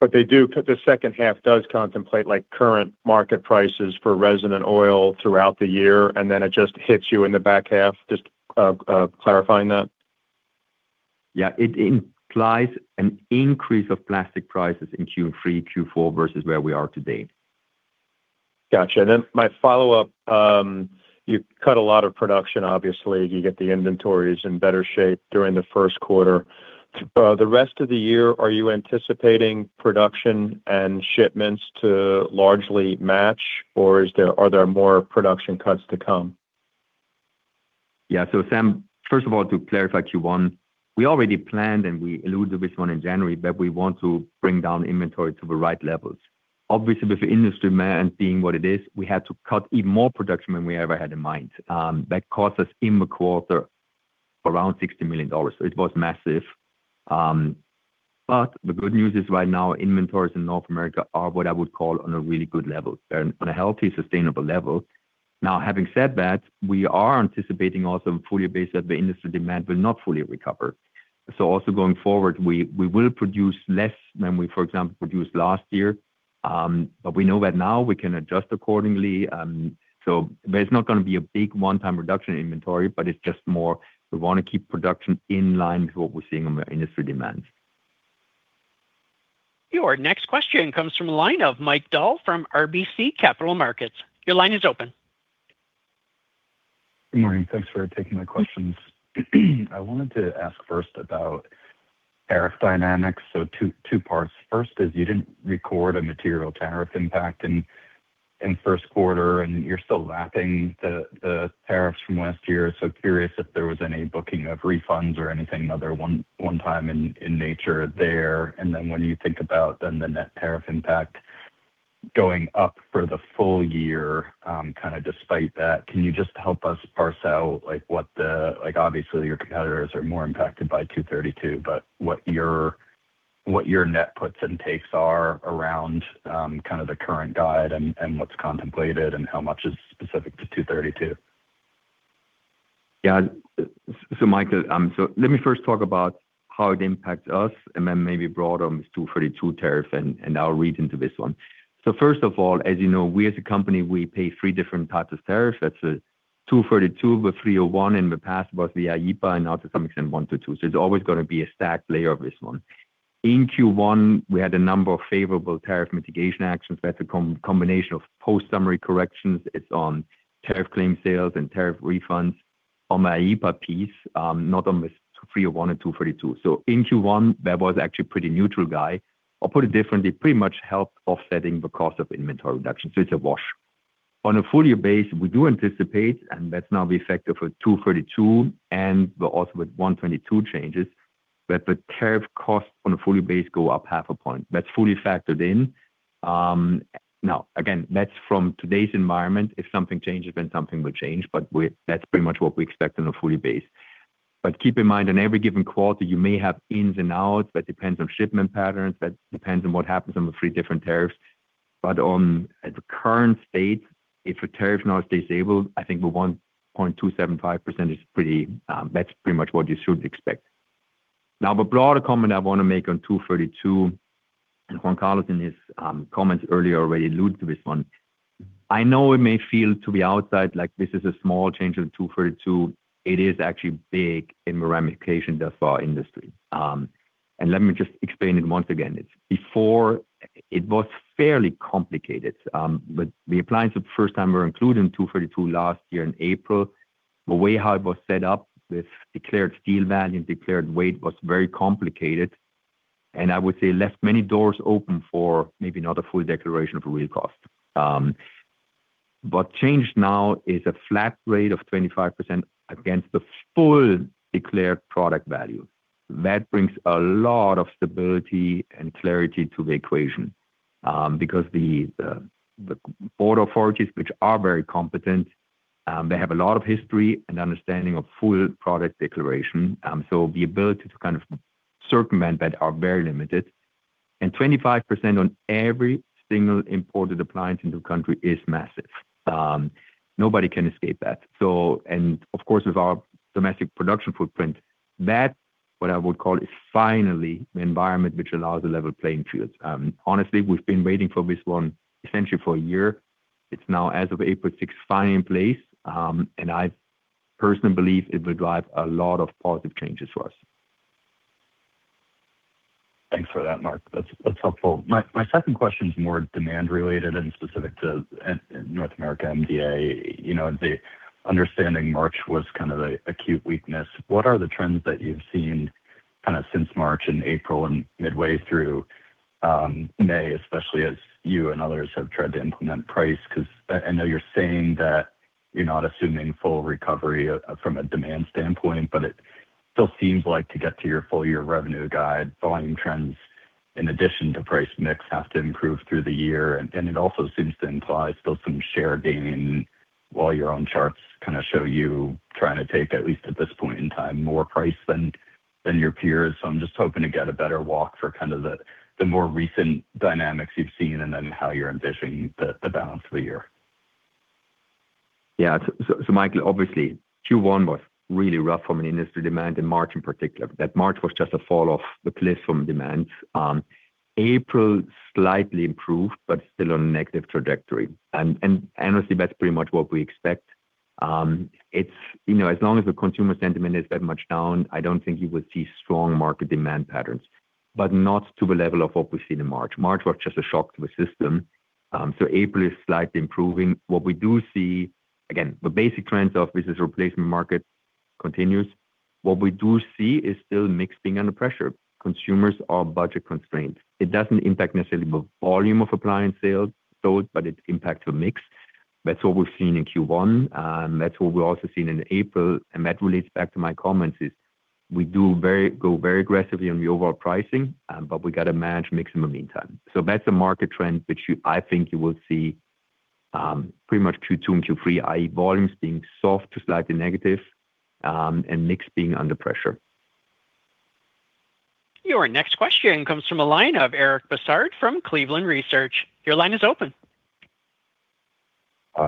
The second half does contemplate like current market prices for resin and oil throughout the year, and then it just hits you in the back half. Just clarifying that. Yeah. It implies an increase of plastic prices in Q3, Q4 versus where we are today. Gotcha. My follow-up, you cut a lot of production, obviously. You get the inventories in better shape during the first quarter. The rest of the year, are you anticipating production and shipments to largely match, or are there more production cuts to come? Yeah. Sam, first of all, to clarify Q1, we already planned, and we alluded to this one in January, that we want to bring down inventory to the right levels. Obviously, with industry demand being what it is, we had to cut even more production than we ever had in mind. That cost us in the quarter around $60 million. It was massive. The good news is right now, inventories in North America are what I would call on a really good level. They're on a healthy, sustainable level. Now, having said that, we are anticipating also on a full year basis that the industry demand will not fully recover. Also going forward, we will produce less than we, for example, produced last year. We know that now we can adjust accordingly. There's not gonna be a big one-time reduction in inventory, but it's just more we wanna keep production in line with what we're seeing on the industry demands. Your next question comes from a line of Mike Dahl from RBC Capital Markets. Your line is open. Good morning. Thanks for taking my questions. I wanted to ask 1st about tariff dynamics. Two parts. First is you didn't record a material tariff impact in 1st quarter, and you're still lapping the tariffs from last year. Curious if there was any booking of refunds or anything, another one-time in nature there. When you think about then the net tariff impact going up for the full year, kind of despite that, can you just help us parse out like what, obviously, your competitors are more impacted by 232, but what your net puts and takes are around kind of the current guide and what's contemplated and how much is specific to 232? Yeah. Michael, let me first talk about how it impacts us and then maybe broaden this 232 tariff, and I'll read into this one. First of all, as you know, we as a company, we pay three different types of tariff. That's a 232, the 301, in the past it was the IEEPA, and now to some extent 122. There's always gonna be a stacked layer of this one. In Q1, we had a number of favorable tariff mitigation actions. That's a combination of Post-Summary Correction. It's on tariff claim sales and tariff refunds. On the IEEPA piece, not on the 301 and 232. In Q1, that was actually a pretty neutral guide, or put it differently, pretty much helped offsetting the cost of inventory reduction. It's a wash. On a full year basis, we do anticipate, and that's now the effect of a 232 and also with 122 changes, that the tariff cost on a full year basis go up 0.5 points. That's fully factored in. Now again, that's from today's environment. If something changes, then something will change, but that's pretty much what we expect on a full year basis. Keep in mind, on every given quarter, you may have ins and outs. That depends on shipment patterns. That depends on what happens on the three different tariffs. On, at the current state, if a tariff now stays stable, I think the 1.275% is pretty, that's pretty much what you should expect. Now, the broader comment I wanna make on 232, Juan Carlos in his comments earlier already alluded to this one. I know it may feel to the outside like this is a small change of 232. It is actually big in the ramifications of our industry. Let me just explain it once again. Before it was fairly complicated, but the appliances for the first time were included in 232 last year in April. The way how it was set up with declared steel value and declared weight was very complicated, and I would say left many doors open for maybe not a full declaration of real cost. What changed now is a flat rate of 25% against the full declared product value. That brings a lot of stability and clarity to the equation because the border authorities, which are very competent, they have a lot of history and understanding of full product declaration. The ability to kind of circumvent that are very limited, and 25% on every single imported appliance into the country is massive. Nobody can escape that. With our domestic production footprint, that what I would call is finally the environment which allows a level playing field. Honestly, we've been waiting for this one essentially for a year. It is now as of April 6th finally in place, and I personally believe it will drive a lot of positive changes for us. Thanks for that, Marc. That's helpful. My second question is more demand related and specific to North America MDA. You know, the understanding March was kind of an acute weakness. What are the trends that you've seen kind of since March and April and midway through May, especially as you and others have tried to implement price? 'Cause I know you're saying that you're not assuming full recovery from a demand standpoint, but it still seems like to get to your full year revenue guide, volume trends in addition to price mix have to improve through the year. It also seems to imply still some share gain while your own charts kind of show you trying to take, at least at this point in time, more price than your peers. I'm just hoping to get a better walk for kind of the more recent dynamics you've seen and then how you're envisioning the balance for the year. Mike, obviously Q1 was really rough from an industry demand in March in particular. That March was just a fall off the cliff from demand. April slightly improved, but still on a negative trajectory. Honestly, that's pretty much what we expect. It's, you know, as long as the consumer sentiment is that much down, I don't think you will see strong market demand patterns, but not to the level of what we've seen in March. March was just a shock to the system. April is slightly improving. What we do see, again, the basic trends of business replacement market continues. What we do see is still mix being under pressure. Consumers are budget constrained. It doesn't impact necessarily the volume of appliance sales sold, but it impact the mix. That's what we've seen in Q1, and that's what we're also seeing in April. That relates back to my comments is we go very aggressively on the overall pricing, but we got to manage mix in the meantime. That's a market trend which I think you will see pretty much Q2 and Q3, i.e. volumes being soft to slightly negative, and mix being under pressure. Your next question comes from a line of Eric Bosshard from Cleveland Research Company. Your line is open. Good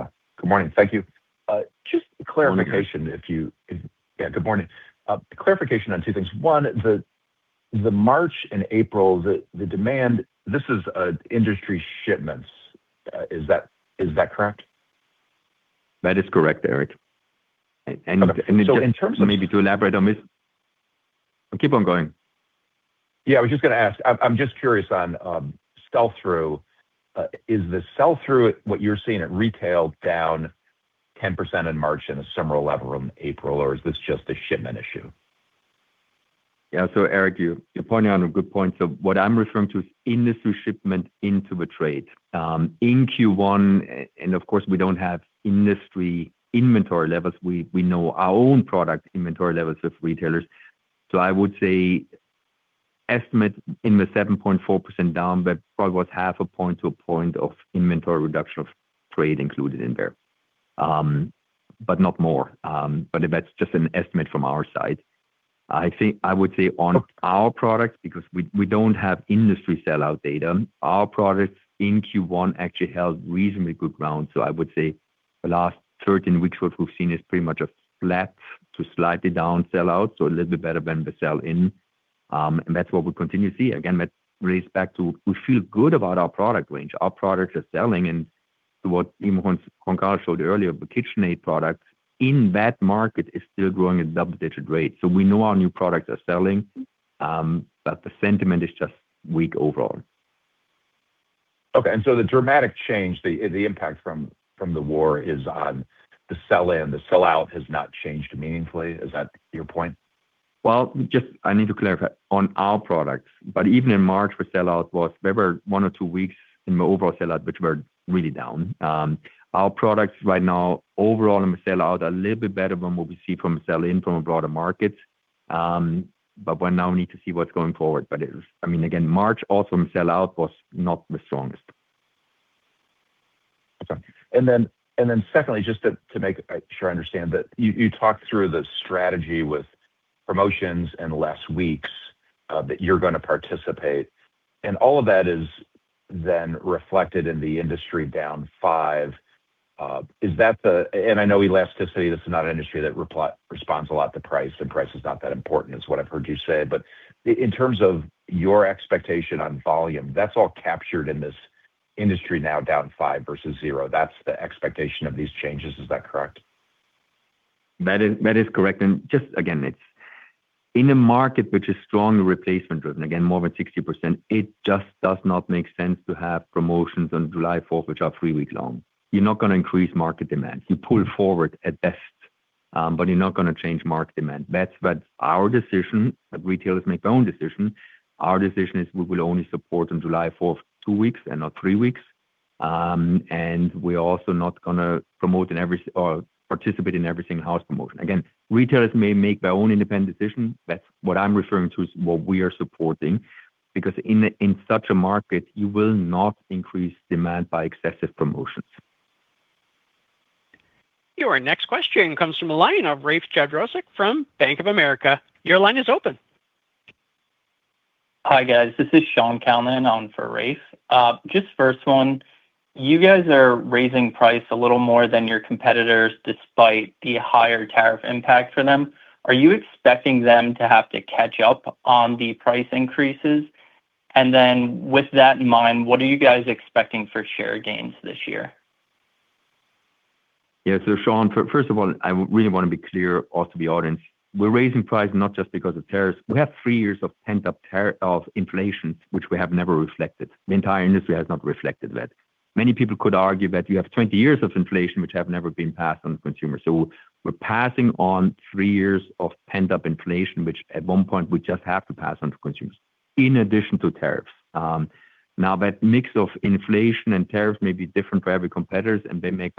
morning. Thank you. Good morning. Clarification on two things. One, the March and April, the demand, this is industry shipments. Is that correct? That is correct, Eric. In terms of- Maybe to elaborate on this. Keep on going. Yeah, I was just gonna ask, I'm just curious on sell-through. Is the sell-through what you're seeing at retail down 10% in March and a similar level in April, or is this just a shipment issue? Yeah. Eric, you're pointing out a good point. What I'm referring to is industry shipment into the trade. In Q1, and of course, we don't have industry inventory levels. We know our own product inventory levels with retailers. I would say estimate in the 7.4% down, but probably was 0.5 point to 1 point of inventory reduction of trade included in there. Not more. That's just an estimate from our side. I think I would say on our products, because we don't have industry sellout data, our products in Q1 actually held reasonably good ground. I would say the last 13 weeks what we've seen is pretty much a flat to slightly down sellout, so a little bit better than the sell in. That's what we continue to see. Again, that relates back to we feel good about our product range. Our products are selling. To what even Juan Carlos showed earlier, the KitchenAid product in that market is still growing at double-digit rates. We know our new products are selling, but the sentiment is just weak overall. Okay. The dramatic change, the impact from the war is on the sell in. The sellout has not changed meaningfully. Is that your point? Just I need to clarify. On our products, even in March, the sellout was there were one or two weeks in the overall sellout which were really down. Our products right now overall in the sellout are a little bit better than what we see from sell in from a broader market. We now need to see what's going forward. I mean, again, March also in sellout was not the strongest. Okay. Secondly, just to make sure I understand that you talked through the strategy with promotions and less weeks that you're gonna participate, and all of that is then reflected in the industry down 5. I know elasticity, this is not an industry that responds a lot to price, so price is not that important, is what I've heard you say. In terms of your expectation on volume, that's all captured in this industry now down 5 versus 0. That's the expectation of these changes. Is that correct? That is correct. Just again, it's in a market which is strong replacement driven, again, more than 60%, it just does not make sense to have promotions on July 4th, which are 3-week long. You're not gonna increase market demand. You pull forward at best, but you're not gonna change market demand. That's but our decision, that retailers make their own decision, our decision is we will only support on July 4th two weeks and not three weeks. We're also not gonna promote or participate in every single house promotion. Again, retailers may make their own independent decision. That's what I'm referring to is what we are supporting. In such a market, you will not increase demand by excessive promotions. Your next question comes from a line of Rafe Jadrosich from Bank of America. Your line is open. Hi, guys. This is Shaun Calnan on for Rafe. Just first one, you guys are raising price a little more than your competitors despite the higher tariff impact for them. Are you expecting them to have to catch up on the price increases? With that in mind, what are you guys expecting for share gains this year? Shaun, first of all, I really wanna be clear also to the audience, we're raising price not just because of tariffs. We have three years of pent-up inflation, which we have never reflected. The entire industry has not reflected that. Many people could argue that you have 20 years of inflation which have never been passed on to consumers. We're passing on three years of pent-up inflation, which at one point we just have to pass on to consumers in addition to tariffs. Now that mix of inflation and tariff may be different for every competitors, they make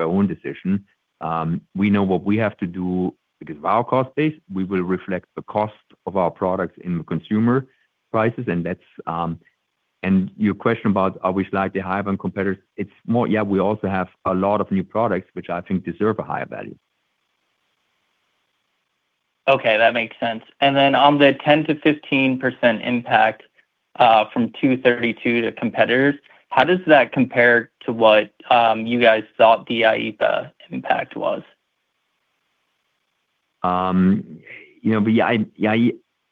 their own decision. We know what we have to do because of our cost base. We will reflect the cost of our products in the consumer prices. Your question about are we slightly higher than competitors, it's more, yeah, we also have a lot of new products which I think deserve a higher value. Okay, that makes sense. On the 10% to 15% impact, from 232 to competitors, how does that compare to what, you guys thought the IEEPA impact was? You know,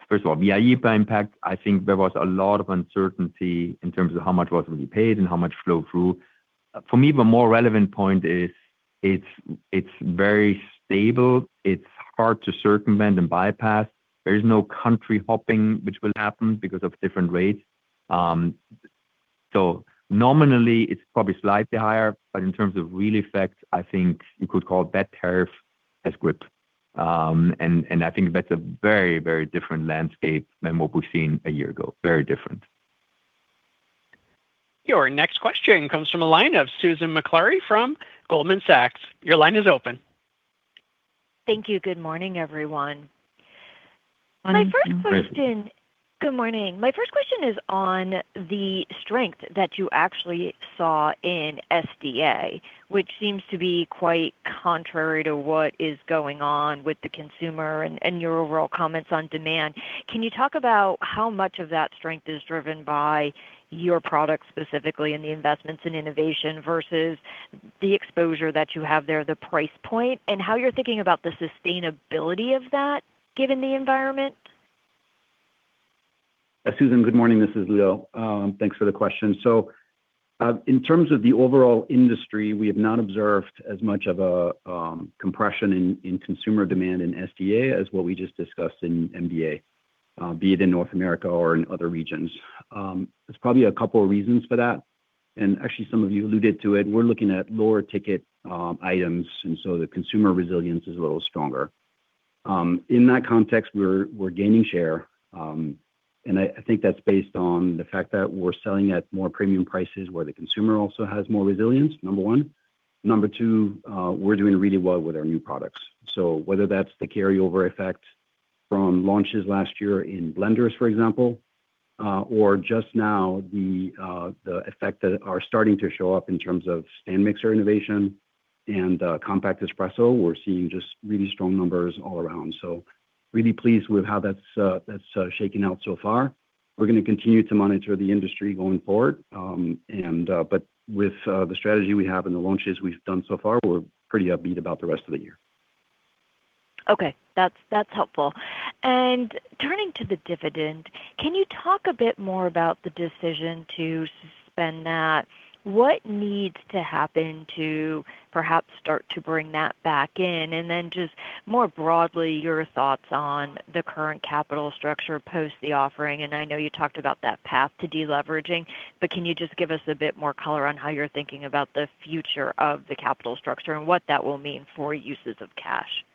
first of all, the IEEPA impact, I think there was a lot of uncertainty in terms of how much was really paid and how much flowed through. For me, the more relevant point is it's very stable. It's hard to circumvent and bypass. There is no country hopping which will happen because of different rates. Nominally, it's probably slightly higher. In terms of real effect, I think you could call that tariff as good. And I think that's a very, very different landscape than what we've seen a year ago. Very different. Your next question comes from a line of Susan Maklari from Goldman Sachs. Your line is open. Thank you. Good morning, everyone. Good morning. My first question. Good morning. My first question is on the strength that you actually saw in SDA, which seems to be quite contrary to what is going on with the consumer and your overall comments on demand. Can you talk about how much of that strength is driven by your products specifically and the investments in innovation versus the exposure that you have there, the price point, and how you're thinking about the sustainability of that given the environment? Susan, good morning. This is Ludo. Thanks for the question. In terms of the overall industry, we have not observed as much of a compression in consumer demand in SDA as what we just discussed in MDA, be it in North America or in other regions. There's probably a couple of reasons for that, and actually, some of you alluded to it. We're looking at lower ticket items, the consumer resilience is a little stronger. In that context, we're gaining share, and I think that's based on the fact that we're selling at more premium prices where the consumer also has more resilience, number one. Number two, we're doing really well with our new products. Whether that's the carryover effect from launches last year in blenders, for example, or just now the effect that are starting to show up in terms of stand mixer innovation and compact espresso, we're seeing just really strong numbers all around. Really pleased with how that's that's shaking out so far. We're gonna continue to monitor the industry going forward. With the strategy we have and the launches we've done so far, we're pretty upbeat about the rest of the year. Okay. That's helpful. Turning to the dividend, can you talk a bit more about the decision to suspend that? What needs to happen to perhaps start to bring that back in? Just more broadly, your thoughts on the current capital structure post the offering. I know you talked about that path to deleveraging, but can you just give us a bit more color on how you're thinking about the future of the capital structure and what that will mean for uses of cash?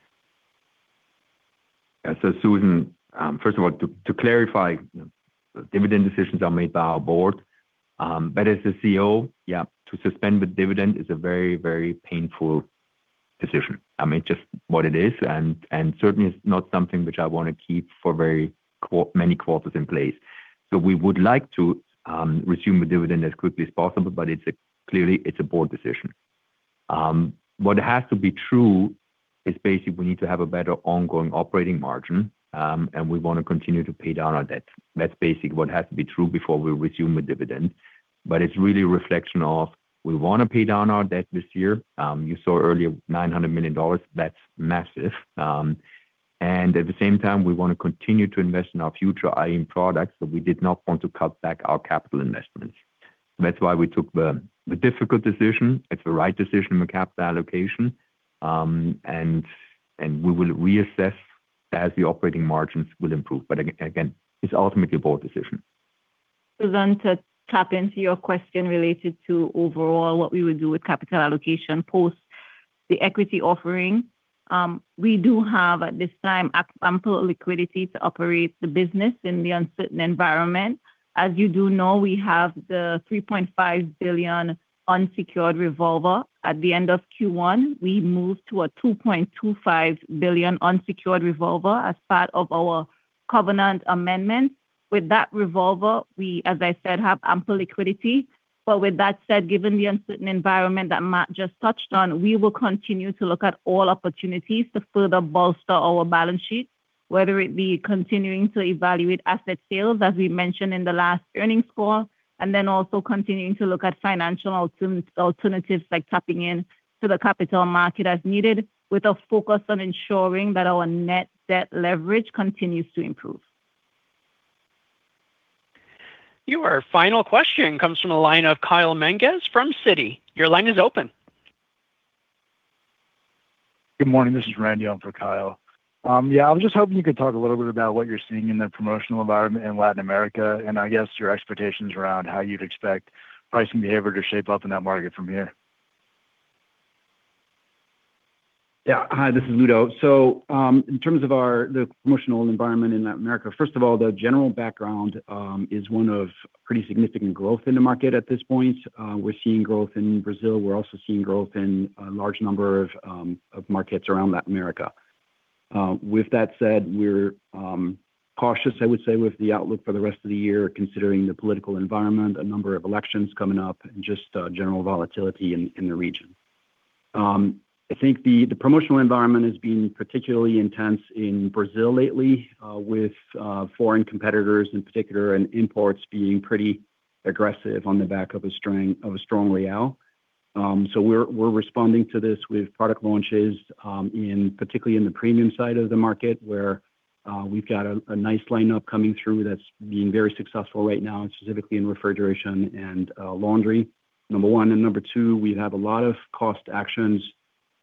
Yeah. Susan, first of all, to clarify, dividend decisions are made by our board. As the CEO, yeah, to suspend the dividend is a very, very painful decision. I mean, just what it is and certainly is not something which I wanna keep for very many quarters in place. We would like to resume the dividend as quickly as possible, but clearly, it's a board decision. What has to be true is basically we need to have a better ongoing operating margin, and we wanna continue to pay down our debt. That's basically what has to be true before we resume the dividend. It's really a reflection of we wanna pay down our debt this year. You saw earlier $900 million. That's massive. At the same time, we wanna continue to invest in our future in products, so we did not want to cut back our capital investments. That's why we took the difficult decision. It's the right decision with capital allocation, and we will reassess as the operating margins will improve. Again, it's ultimately a board decision. Susan, to tap into your question related to overall what we would do with capital allocation post the equity offering, we do have at this time ample liquidity to operate the business in the uncertain environment. As you do know, we have the $3.5 billion unsecured revolver. At the end of Q1, we moved to a $2.25 billion unsecured revolver as part of our covenant amendment. With that revolver, we, as I said, have ample liquidity. With that said, given the uncertain environment that Marc just touched on, we will continue to look at all opportunities to further bolster our balance sheet, whether it be continuing to evaluate asset sales, as we mentioned in the last earnings call, and then also continuing to look at financial alternatives like tapping into the capital market as needed with a focus on ensuring that our net debt leverage continues to improve. Your final question comes from the line of Kyle Menkes from Citi. Your line is open. Good morning. This is Randy on for Kyle. Yeah, I was just hoping you could talk a little bit about what you're seeing in the promotional environment in Latin America, and I guess your expectations around how you'd expect pricing behavior to shape up in that market from here. Yeah. Hi, this is Ludo. In terms of the promotional environment in Latin America, first of all, the general background is one of pretty significant growth in the market at this point. We're seeing growth in Brazil. We're also seeing growth in a large number of markets around Latin America. With that said, we're cautious, I would say, with the outlook for the rest of the year, considering the political environment, a number of elections coming up, and just general volatility in the region. I think the promotional environment has been particularly intense in Brazil lately, with foreign competitors in particular and imports being pretty aggressive on the back of a strong real. We're responding to this with product launches, in particularly in the premium side of the market, where we've got a nice lineup coming through that's been very successful right now, specifically in refrigeration and laundry, number one. Number two, we have a lot of cost actions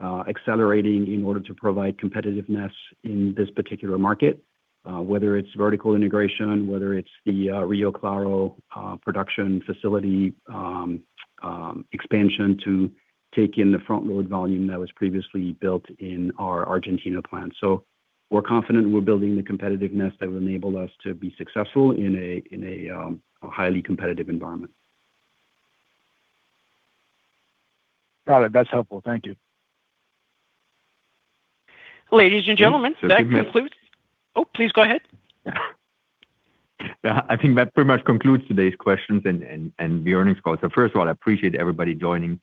accelerating in order to provide competitiveness in this particular market, whether it's vertical integration, whether it's the Rio Claro production facility expansion to take in the front load volume that was previously built in our Argentina plant. We're confident we're building the competitiveness that will enable us to be successful in a highly competitive environment. Got it. That's helpful. Thank you. Ladies and gentlemen, that concludes- I think that. Oh, please go ahead. I think that pretty much concludes today's questions and the earnings call. First of all, I appreciate everybody joining.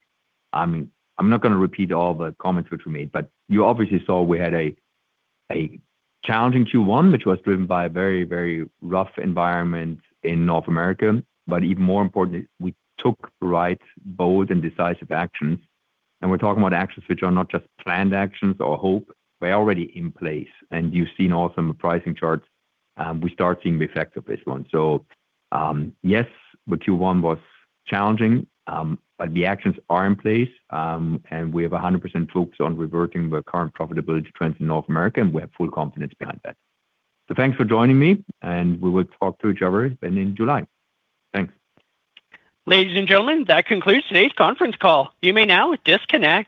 I'm not gonna repeat all the comments which were made, but you obviously saw we had a challenging Q1, which was driven by a very rough environment in North America. Even more importantly, we took right, bold, and decisive actions. We're talking about actions which are not just planned actions or hope. They're already in place. You've seen also in the pricing charts, we start seeing the effect of this one. Yes, the Q1 was challenging, but the actions are in place, and we have 100% focused on reverting the current profitability trends in North America, and we have full confidence behind that. Thanks for joining me, and we will talk to each other again in July. Thanks. Ladies and gentlemen, that concludes today's conference call. You may now disconnect.